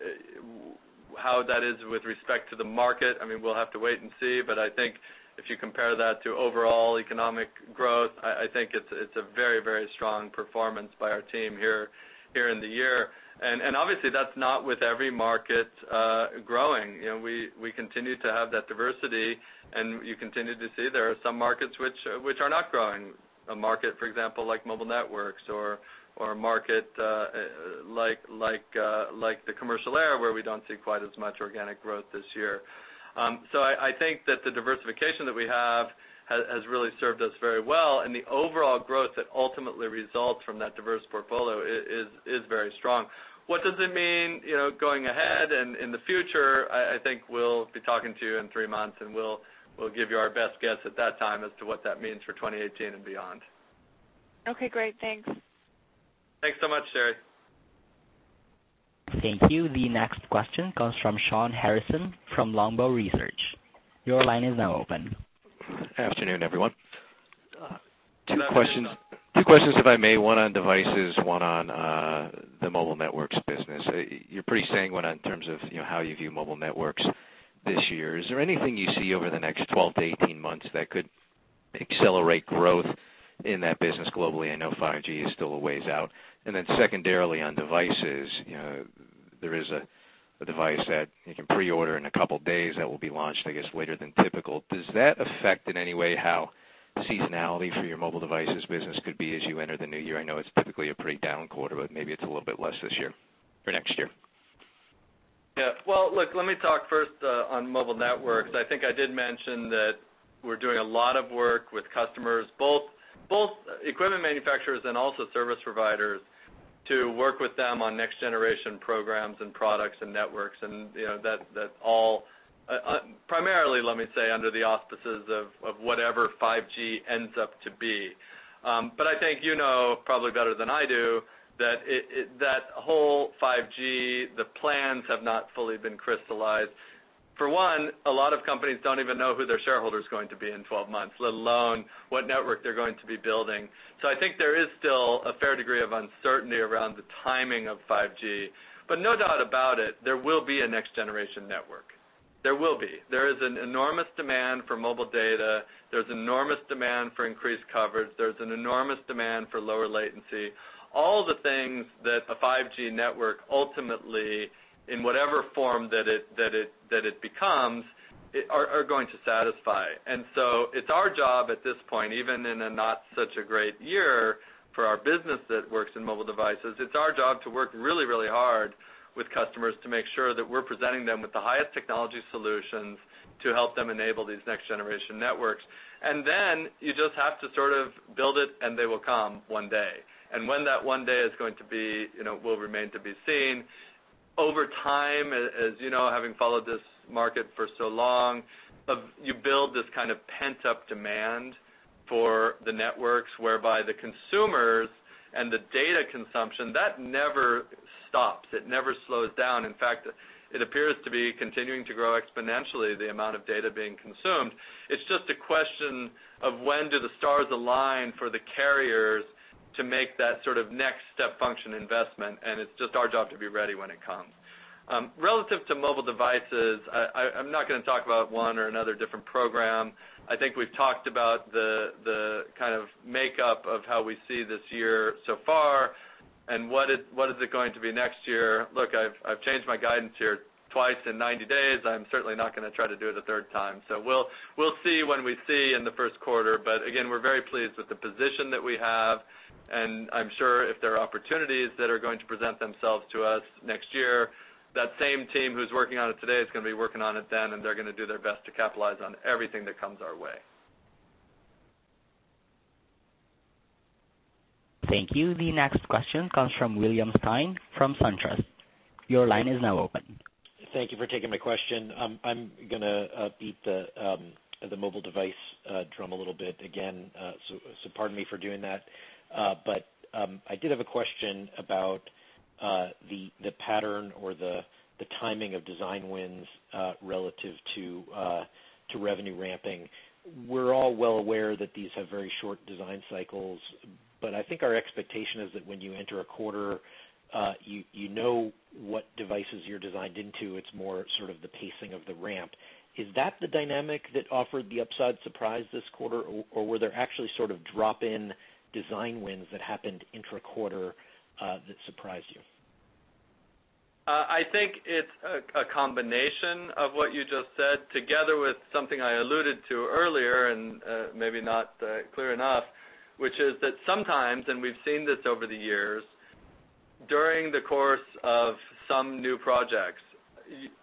how that is with respect to the market, I mean, we'll have to wait and see, but I think if you compare that to overall economic growth, I think it's a very, very strong performance by our team here in the year. Obviously, that's not with every market growing. We continue to have that diversity, and you continue to see there are some markets which are not growing. A market, for example, like mobile networks or a market like the commercial area where we don't see quite as much organic growth this year. I think that the diversification that we have has really served us very well, and the overall growth that ultimately results from that diverse portfolio is very strong. What does it mean going ahead and in the future? I think we'll be talking to you in three months, and we'll give you our best guess at that time as to what that means for 2018 and beyond. Okay. Great. Thanks. Thanks so much, Sherri. Thank you. The next question comes from Shawn Harrison from Longbow Research. Your line is now open. Good afternoon, everyone. Two questions, if I may. One on devices, one on the mobile networks business. You're pretty sanguine in terms of how you view mobile networks this year. Is there anything you see over the next 12 to 18 months that could accelerate growth in that business globally? I know 5G is still a ways out. And then secondarily, on devices, there is a device that you can pre-order in a couple of days that will be launched, I guess, later than typical. Does that affect in any way how seasonality for your mobile devices business could be as you enter the new year? I know it's typically a pretty down quarter, but maybe it's a little bit less this year or next year. Yeah. Well, look, let me talk first on mobile networks. I think I did mention that we're doing a lot of work with customers, both equipment manufacturers and also service providers, to work with them on next-generation programs and products and networks, and that's all primarily, let me say, under the auspices of whatever 5G ends up to be. But I think you know probably better than I do that that whole 5G, the plans have not fully been crystallized. For one, a lot of companies don't even know who their shareholder is going to be in 12 months, let alone what network they're going to be building. So I think there is still a fair degree of uncertainty around the timing of 5G, but no doubt about it, there will be a next-generation network. There will be. There is an enormous demand for mobile data. There's enormous demand for increased coverage. There's an enormous demand for lower latency. All the things that a 5G network ultimately, in whatever form that it becomes, are going to satisfy. And so it's our job at this point, even in a not such a great year for our business that works in mobile devices, it's our job to work really, really hard with customers to make sure that we're presenting them with the highest technology solutions to help them enable these next-generation networks. And then you just have to sort of build it, and they will come one day. And when that one day is going to be, will remain to be seen. Over time, as you know, having followed this market for so long, you build this kind of pent-up demand for the networks whereby the consumers and the data consumption, that never stops. It never slows down. In fact, it appears to be continuing to grow exponentially, the amount of data being consumed. It's just a question of when do the stars align for the carriers to make that sort of next-step function investment, and it's just our job to be ready when it comes. Relative to mobile devices, I'm not going to talk about one or another different program. I think we've talked about the kind of makeup of how we see this year so far and what is it going to be next year. Look, I've changed my guidance here twice in 90 days. I'm certainly not going to try to do it a third time. We'll see when we see in the first quarter, but again, we're very pleased with the position that we have, and I'm sure if there are opportunities that are going to present themselves to us next year, that same team who's working on it today is going to be working on it then, and they're going to do their best to capitalize on everything that comes our way. Thank you. The next question comes from William Stein from SunTrust. Your line is now open. Thank you for taking my question. I'm going to beat the mobile device drum a little bit again, so pardon me for doing that, but I did have a question about the pattern or the timing of design wins relative to revenue ramping. We're all well aware that these have very short design cycles, but I think our expectation is that when you enter a quarter, you know what devices you're designed into. It's more sort of the pacing of the ramp. Is that the dynamic that offered the upside surprise this quarter, or were there actually sort of drop-in design wins that happened intra-quarter that surprised you? I think it's a combination of what you just said together with something I alluded to earlier and maybe not clear enough, which is that sometimes, and we've seen this over the years, during the course of some new projects,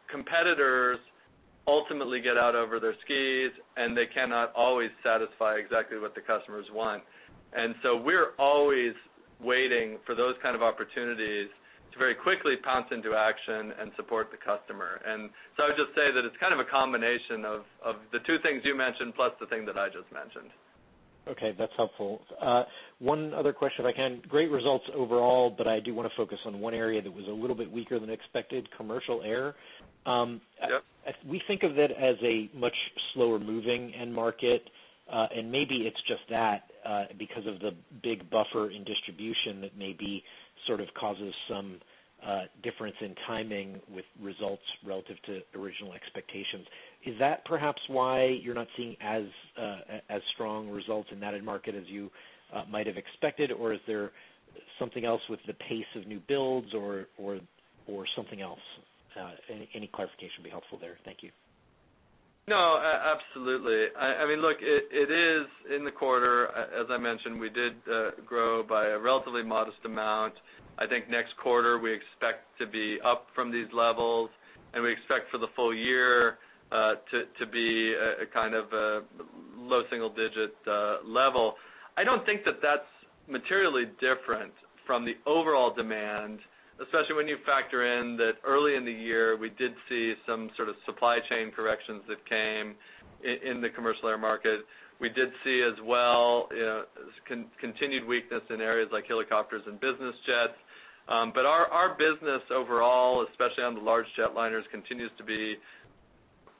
competitors ultimately get out over their skis, and they cannot always satisfy exactly what the customers want. And so we're always waiting for those kinds of opportunities to very quickly pounce into action and support the customer. And so I would just say that it's kind of a combination of the two things you mentioned plus the thing that I just mentioned. Okay. That's helpful. One other question, if I can. Great results overall, but I do want to focus on one area that was a little bit weaker than expected, commercial aero. We think of that as a much slower-moving end market, and maybe it's just that because of the big buffer in distribution that maybe sort of causes some difference in timing with results relative to original expectations. Is that perhaps why you're not seeing as strong results in that end market as you might have expected, or is there something else with the pace of new builds or something else? Any clarification would be helpful there. Thank you. No, absolutely. I mean, look, it is in the quarter. As I mentioned, we did grow by a relatively modest amount. I think next quarter, we expect to be up from these levels, and we expect for the full year to be a kind of low single-digit level. I don't think that that's materially different from the overall demand, especially when you factor in that early in the year, we did see some sort of supply chain corrections that came in the commercial air market. We did see as well continued weakness in areas like helicopters and business jets, but our business overall, especially on the large jetliners, continues to be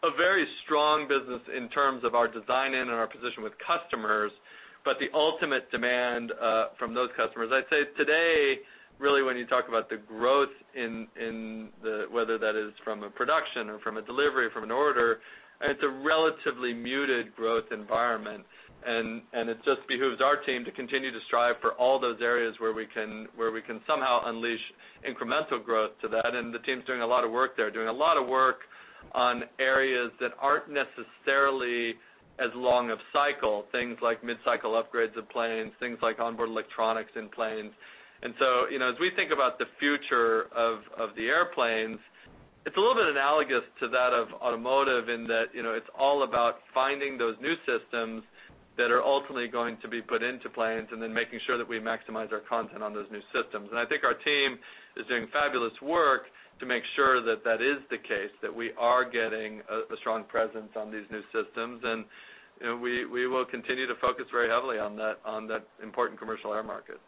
a very strong business in terms of our design and our position with customers, but the ultimate demand from those customers. I'd say today, really, when you talk about the growth, whether that is from a production or from a delivery or from an order, it's a relatively muted growth environment, and it just behooves our team to continue to strive for all those areas where we can somehow unleash incremental growth to that, and the team's doing a lot of work there, doing a lot of work on areas that aren't necessarily as long of cycle, things like mid-cycle upgrades of planes, things like onboard electronics in planes. And so as we think about the future of the airplanes, it's a little bit analogous to that of automotive in that it's all about finding those new systems that are ultimately going to be put into planes and then making sure that we maximize our content on those new systems. I think our team is doing fabulous work to make sure that that is the case, that we are getting a strong presence on these new systems, and we will continue to focus very heavily on that important commercial air market.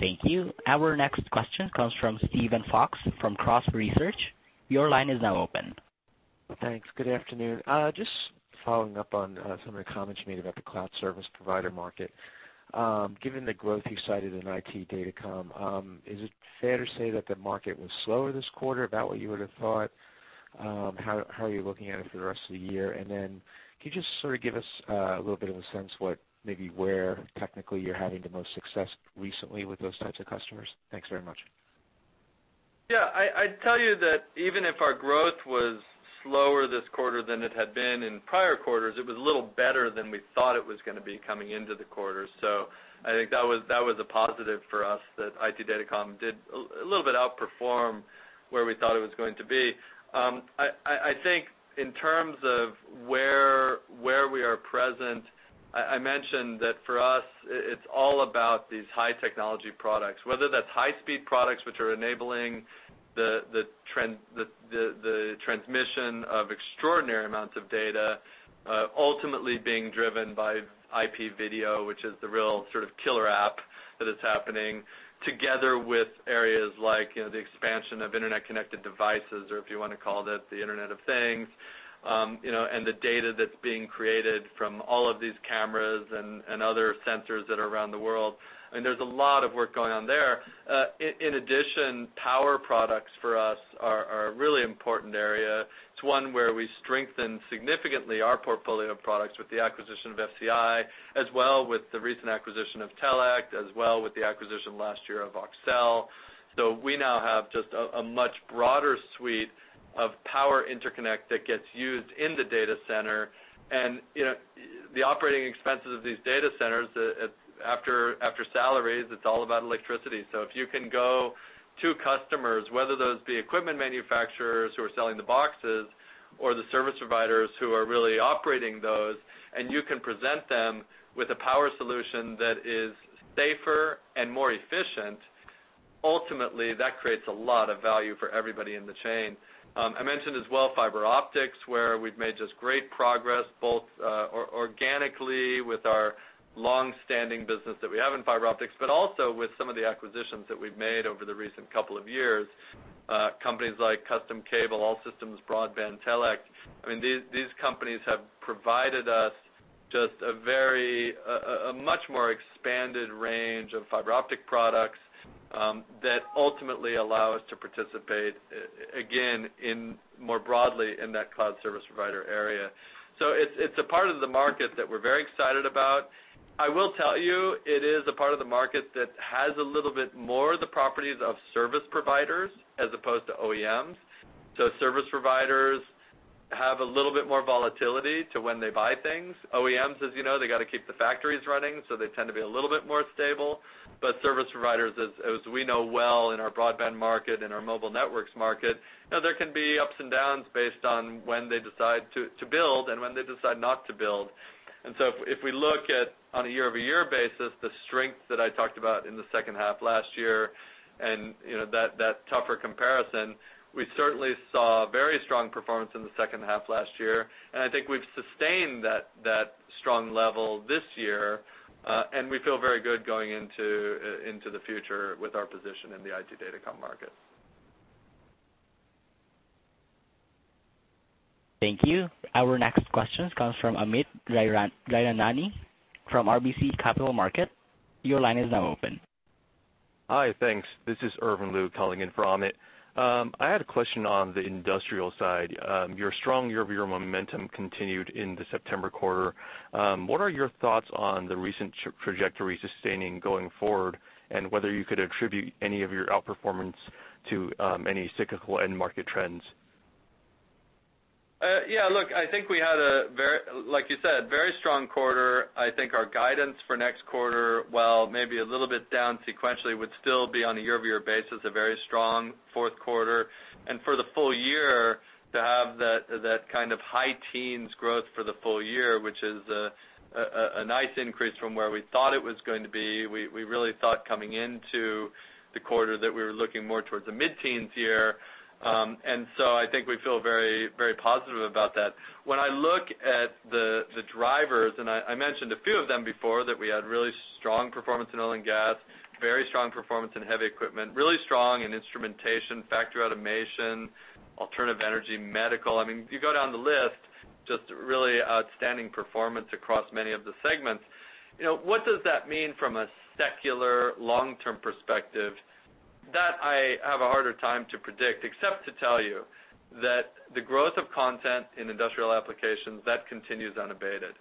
Thank you. Our next question comes from Steven Fox from Cross Research. Your line is now open. Thanks. Good afternoon. Just following up on some of the comments you made about the cloud service provider market. Given the growth you cited in IT Datacom, is it fair to say that the market was slower this quarter about what you would have thought? How are you looking at it for the rest of the year? And then can you just sort of give us a little bit of a sense of maybe where technically you're having the most success recently with those types of customers? Thanks very much. Yeah. I'd tell you that even if our growth was slower this quarter than it had been in prior quarters, it was a little better than we thought it was going to be coming into the quarter. I think that was a positive for us that IT Datacom did a little bit outperform where we thought it was going to be. I think in terms of where we are present, I mentioned that for us, it's all about these high-technology products, whether that's high-speed products which are enabling the transmission of extraordinary amounts of data, ultimately being driven by IP video, which is the real sort of killer app that is happening, together with areas like the expansion of internet-connected devices, or if you want to call that the Internet of Things, and the data that's being created from all of these cameras and other sensors that are around the world. I mean, there's a lot of work going on there. In addition, power products for us are a really important area. It's one where we strengthen significantly our portfolio of products with the acquisition of FCI, as well with the recent acquisition of Telect, as well with the acquisition last year of Auxel. So we now have just a much broader suite of power interconnect that gets used in the data center. The operating expenses of these data centers, after salaries, it's all about electricity. So if you can go to customers, whether those be equipment manufacturers who are selling the boxes or the service providers who are really operating those, and you can present them with a power solution that is safer and more efficient, ultimately, that creates a lot of value for everybody in the chain. I mentioned as well fiber optics, where we've made just great progress both organically with our long-standing business that we have in fiber optics, but also with some of the acquisitions that we've made over the recent couple of years. Companies like Custom Cable, All Systems Broadband, Telect. I mean, these companies have provided us just a much more expanded range of fiber optic products that ultimately allow us to participate, again, more broadly in that cloud service provider area. So it's a part of the market that we're very excited about. I will tell you, it is a part of the market that has a little bit more of the properties of service providers as opposed to OEMs. So service providers have a little bit more volatility to when they buy things. OEMs, as you know, they got to keep the factories running, so they tend to be a little bit more stable. But service providers, as we know well in our broadband market and our mobile networks market, there can be ups and downs based on when they decide to build and when they decide not to build. So if we look at on a year-over-year basis, the strength that I talked about in the second half last year and that tougher comparison, we certainly saw very strong performance in the second half last year. And I think we've sustained that strong level this year, and we feel very good going into the future with our position in the IT Datacom market. Thank you. Our next question comes from Amit Daryanani from RBC Capital Markets. Your line is now open. Hi, thanks. This is Irvin Liu calling in from Amit. I had a question on the industrial side. Your strong year-over-year momentum continued in the September quarter. What are your thoughts on the recent trajectory sustaining going forward and whether you could attribute any of your outperformance to any cyclical end market trends? Yeah. Look, I think we had a, like you said, very strong quarter. I think our guidance for next quarter, while maybe a little bit down sequentially, would still be on a year-over-year basis, a very strong fourth quarter. For the full year, to have that kind of high teens growth for the full year, which is a nice increase from where we thought it was going to be, we really thought coming into the quarter that we were looking more towards a mid-teens year. And so I think we feel very positive about that. When I look at the drivers, and I mentioned a few of them before, that we had really strong performance in oil and gas, very strong performance in heavy equipment, really strong in instrumentation, factory automation, alternative energy, medical. I mean, you go down the list, just really outstanding performance across many of the segments. What does that mean from a secular long-term perspective? That I have a harder time to predict, except to tell you that the growth of content in industrial applications, that continues unabated.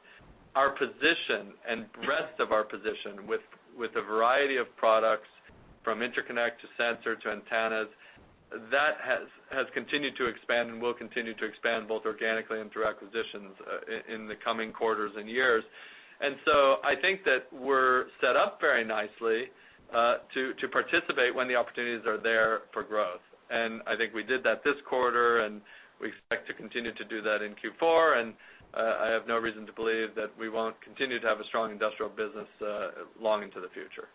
Our position and breadth of our position with a variety of products from interconnect to sensor to antennas, that has continued to expand and will continue to expand both organically and through acquisitions in the coming quarters and years. And so I think that we're set up very nicely to participate when the opportunities are there for growth. And I think we did that this quarter, and we expect to continue to do that in Q4, and I have no reason to believe that we won't continue to have a strong industrial business long into the future.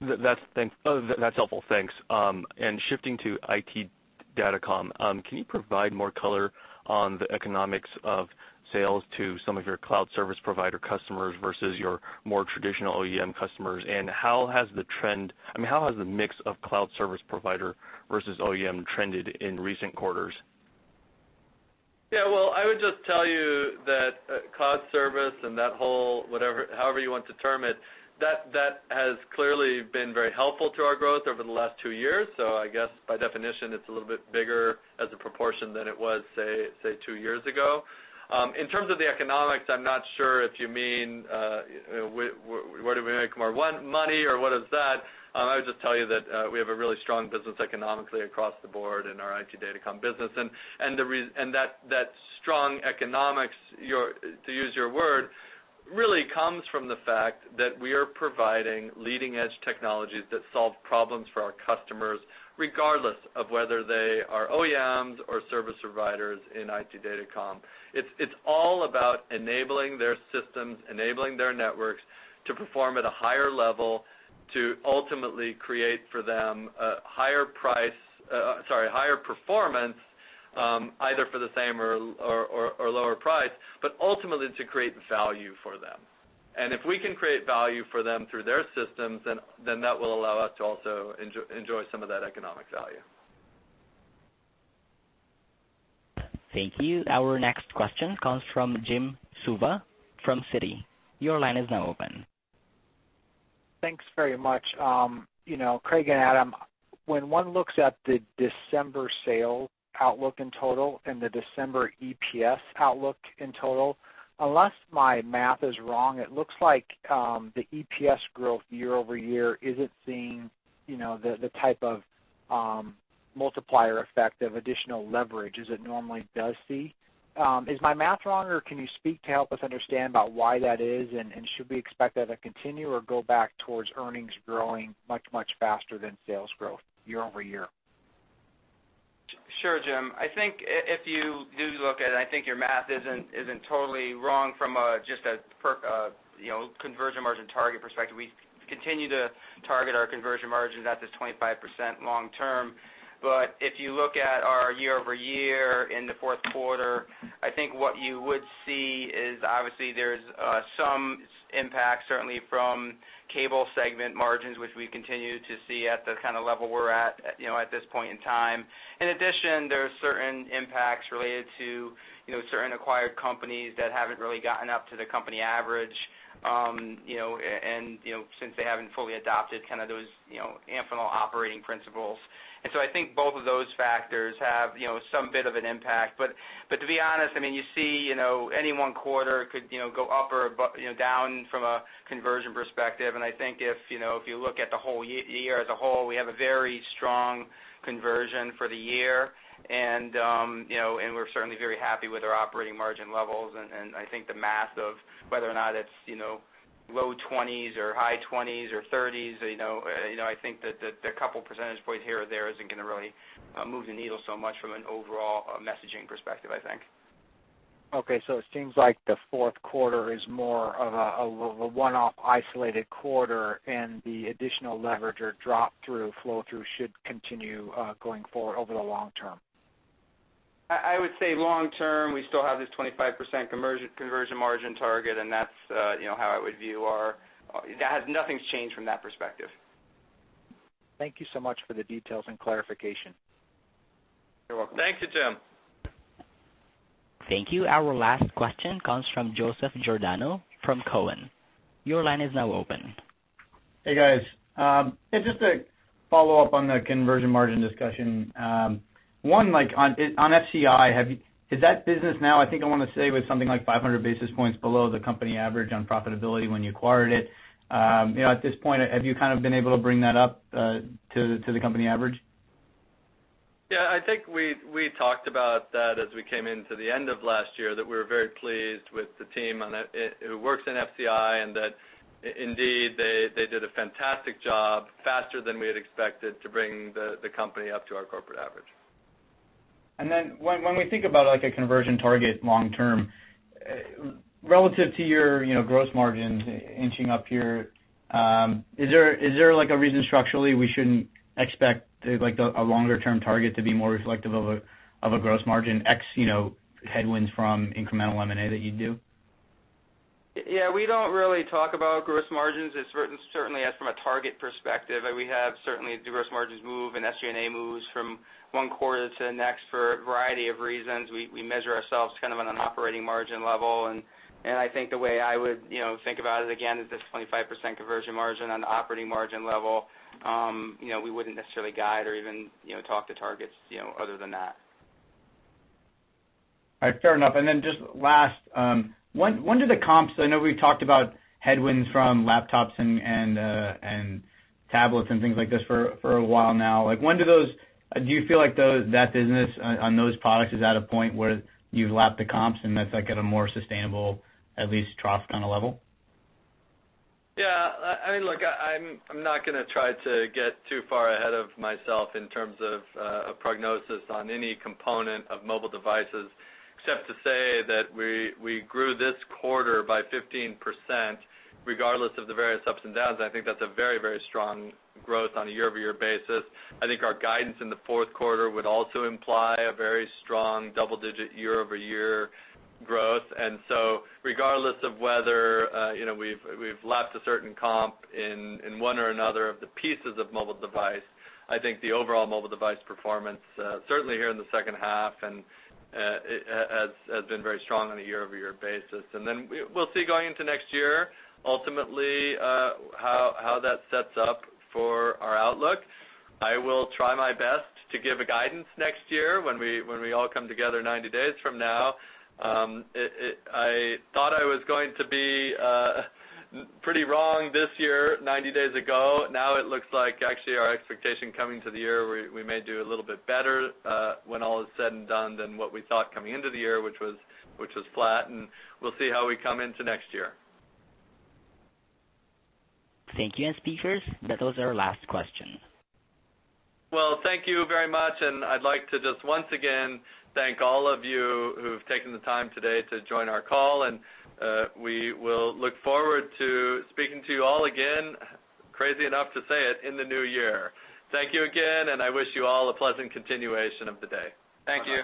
That's helpful. Thanks. And shifting to IT Datacom, can you provide more color on the economics of sales to some of your cloud service provider customers versus your more traditional OEM customers? And how has the trend, I mean, how has the mix of cloud service provider versus OEM trended in recent quarters? Yeah. Well, I would just tell you that cloud service and that whole, however you want to term it, that has clearly been very helpful to our growth over the last two years. So I guess by definition, it's a little bit bigger as a proportion than it was, say, two years ago. In terms of the economics, I'm not sure if you mean, where do we make more money or what is that. I would just tell you that we have a really strong business economically across the board in our IT Datacom business. That strong economics, to use your word, really comes from the fact that we are providing leading-edge technologies that solve problems for our customers, regardless of whether they are OEMs or service providers in IT Datacom. It's all about enabling their systems, enabling their networks to perform at a higher level to ultimately create for them a higher price, sorry, higher performance, either for the same or lower price, but ultimately to create value for them. And if we can create value for them through their systems, then that will allow us to also enjoy some of that economic value. Thank you. Our next question comes from Jim Suva from Citi. Your line is now open. Thanks very much. Craig and Adam, when one looks at the December sales outlook in total and the December EPS outlook in total, unless my math is wrong, it looks like the EPS growth year-over-year isn't seeing the type of multiplier effect of additional leverage as it normally does see. Is my math wrong, or can you speak to help us understand about why that is, and should we expect that to continue or go back towards earnings growing much, much faster than sales growth year-over-year? Sure, Jim. I think if you do look at it, I think your math isn't totally wrong from just a conversion margin target perspective. We continue to target our conversion margin at this 25% long-term. But if you look at our year-over-year in the fourth quarter, I think what you would see is obviously there's some impact, certainly from cable segment margins, which we continue to see at the kind of level we're at at this point in time. In addition, there are certain impacts related to certain acquired companies that haven't really gotten up to the company average, and since they haven't fully adopted kind of those Amphenol operating principles. And so I think both of those factors have some bit of an impact. But to be honest, I mean, you see any one quarter could go up or down from a conversion perspective. And I think if you look at the whole year as a whole, we have a very strong conversion for the year, and we're certainly very happy with our operating margin levels. I think the math of whether or not it's low 20s or high 20s or 30s, I think that the couple percentage points here or there isn't going to really move the needle so much from an overall messaging perspective, I think. Okay. So it seems like the fourth quarter is more of a one-off isolated quarter, and the additional leverage or drop-through flow-through should continue going forward over the long term. I would say long-term, we still have this 25% conversion margin target, and that's how I would view our that has nothing changed from that perspective. Thank you so much for the details and clarification. You're welcome. Thank you, Jim. Thank you. Our last question comes from Joseph Giordano from Cowen. Your line is now open. Hey, guys. Just to follow up on the conversion margin discussion. One, on FCI, is that business now, I think I want to say, with something like 500 basis points below the company average on profitability when you acquired it? At this point, have you kind of been able to bring that up to the company average? Yeah. I think we talked about that as we came into the end of last year, that we were very pleased with the team who works in FCI and that indeed they did a fantastic job, faster than we had expected, to bring the company up to our corporate average. And then when we think about a conversion target long-term, relative to your gross margins inching up here, is there a reason structurally we shouldn't expect a longer-term target to be more reflective of a gross margin ex headwinds from incremental M&A that you do? Yeah. We don't really talk about gross margins. It's certainly from a target perspective. We have certainly the gross margins move and SG&A moves from one quarter to the next for a variety of reasons. We measure ourselves kind of on an operating margin level. And I think the way I would think about it again is this 25% conversion margin on the operating margin level. We wouldn't necessarily guide or even talk to targets other than that. All right. Fair enough. And then just last, when do the comps? I know we've talked about headwinds from laptops and tablets and things like this for a while now. When do those, do you feel like that business on those products is at a point where you've lapped the comps and that's at a more sustainable, at least, trough kind of level? Yeah. I mean, look, I'm not going to try to get too far ahead of myself in terms of a prognosis on any component of mobile devices, except to say that we grew this quarter by 15% regardless of the various ups and downs. I think that's a very, very strong growth on a year-over-year basis. I think our guidance in the fourth quarter would also imply a very strong double-digit year-over-year growth. And so regardless of whether we've lapped a certain comp in one or another of the pieces of mobile device, I think the overall mobile device performance, certainly here in the second half, has been very strong on a year-over-year basis. And then we'll see going into next year, ultimately, how that sets up for our outlook. I will try my best to give a guidance next year when we all come together 90 days from now. I thought I was going to be pretty wrong this year 90 days ago. Now it looks like actually our expectation coming to the year, we may do a little bit better when all is said and done than what we thought coming into the year, which was flat. We'll see how we come into next year. Thank you, and speakers. That was our last question. Well, thank you very much. I'd like to just once again thank all of you who've taken the time today to join our call. We will look forward to speaking to you all again, crazy enough to say it, in the new year. Thank you again, and I wish you all a pleasant continuation of the day. Thank you.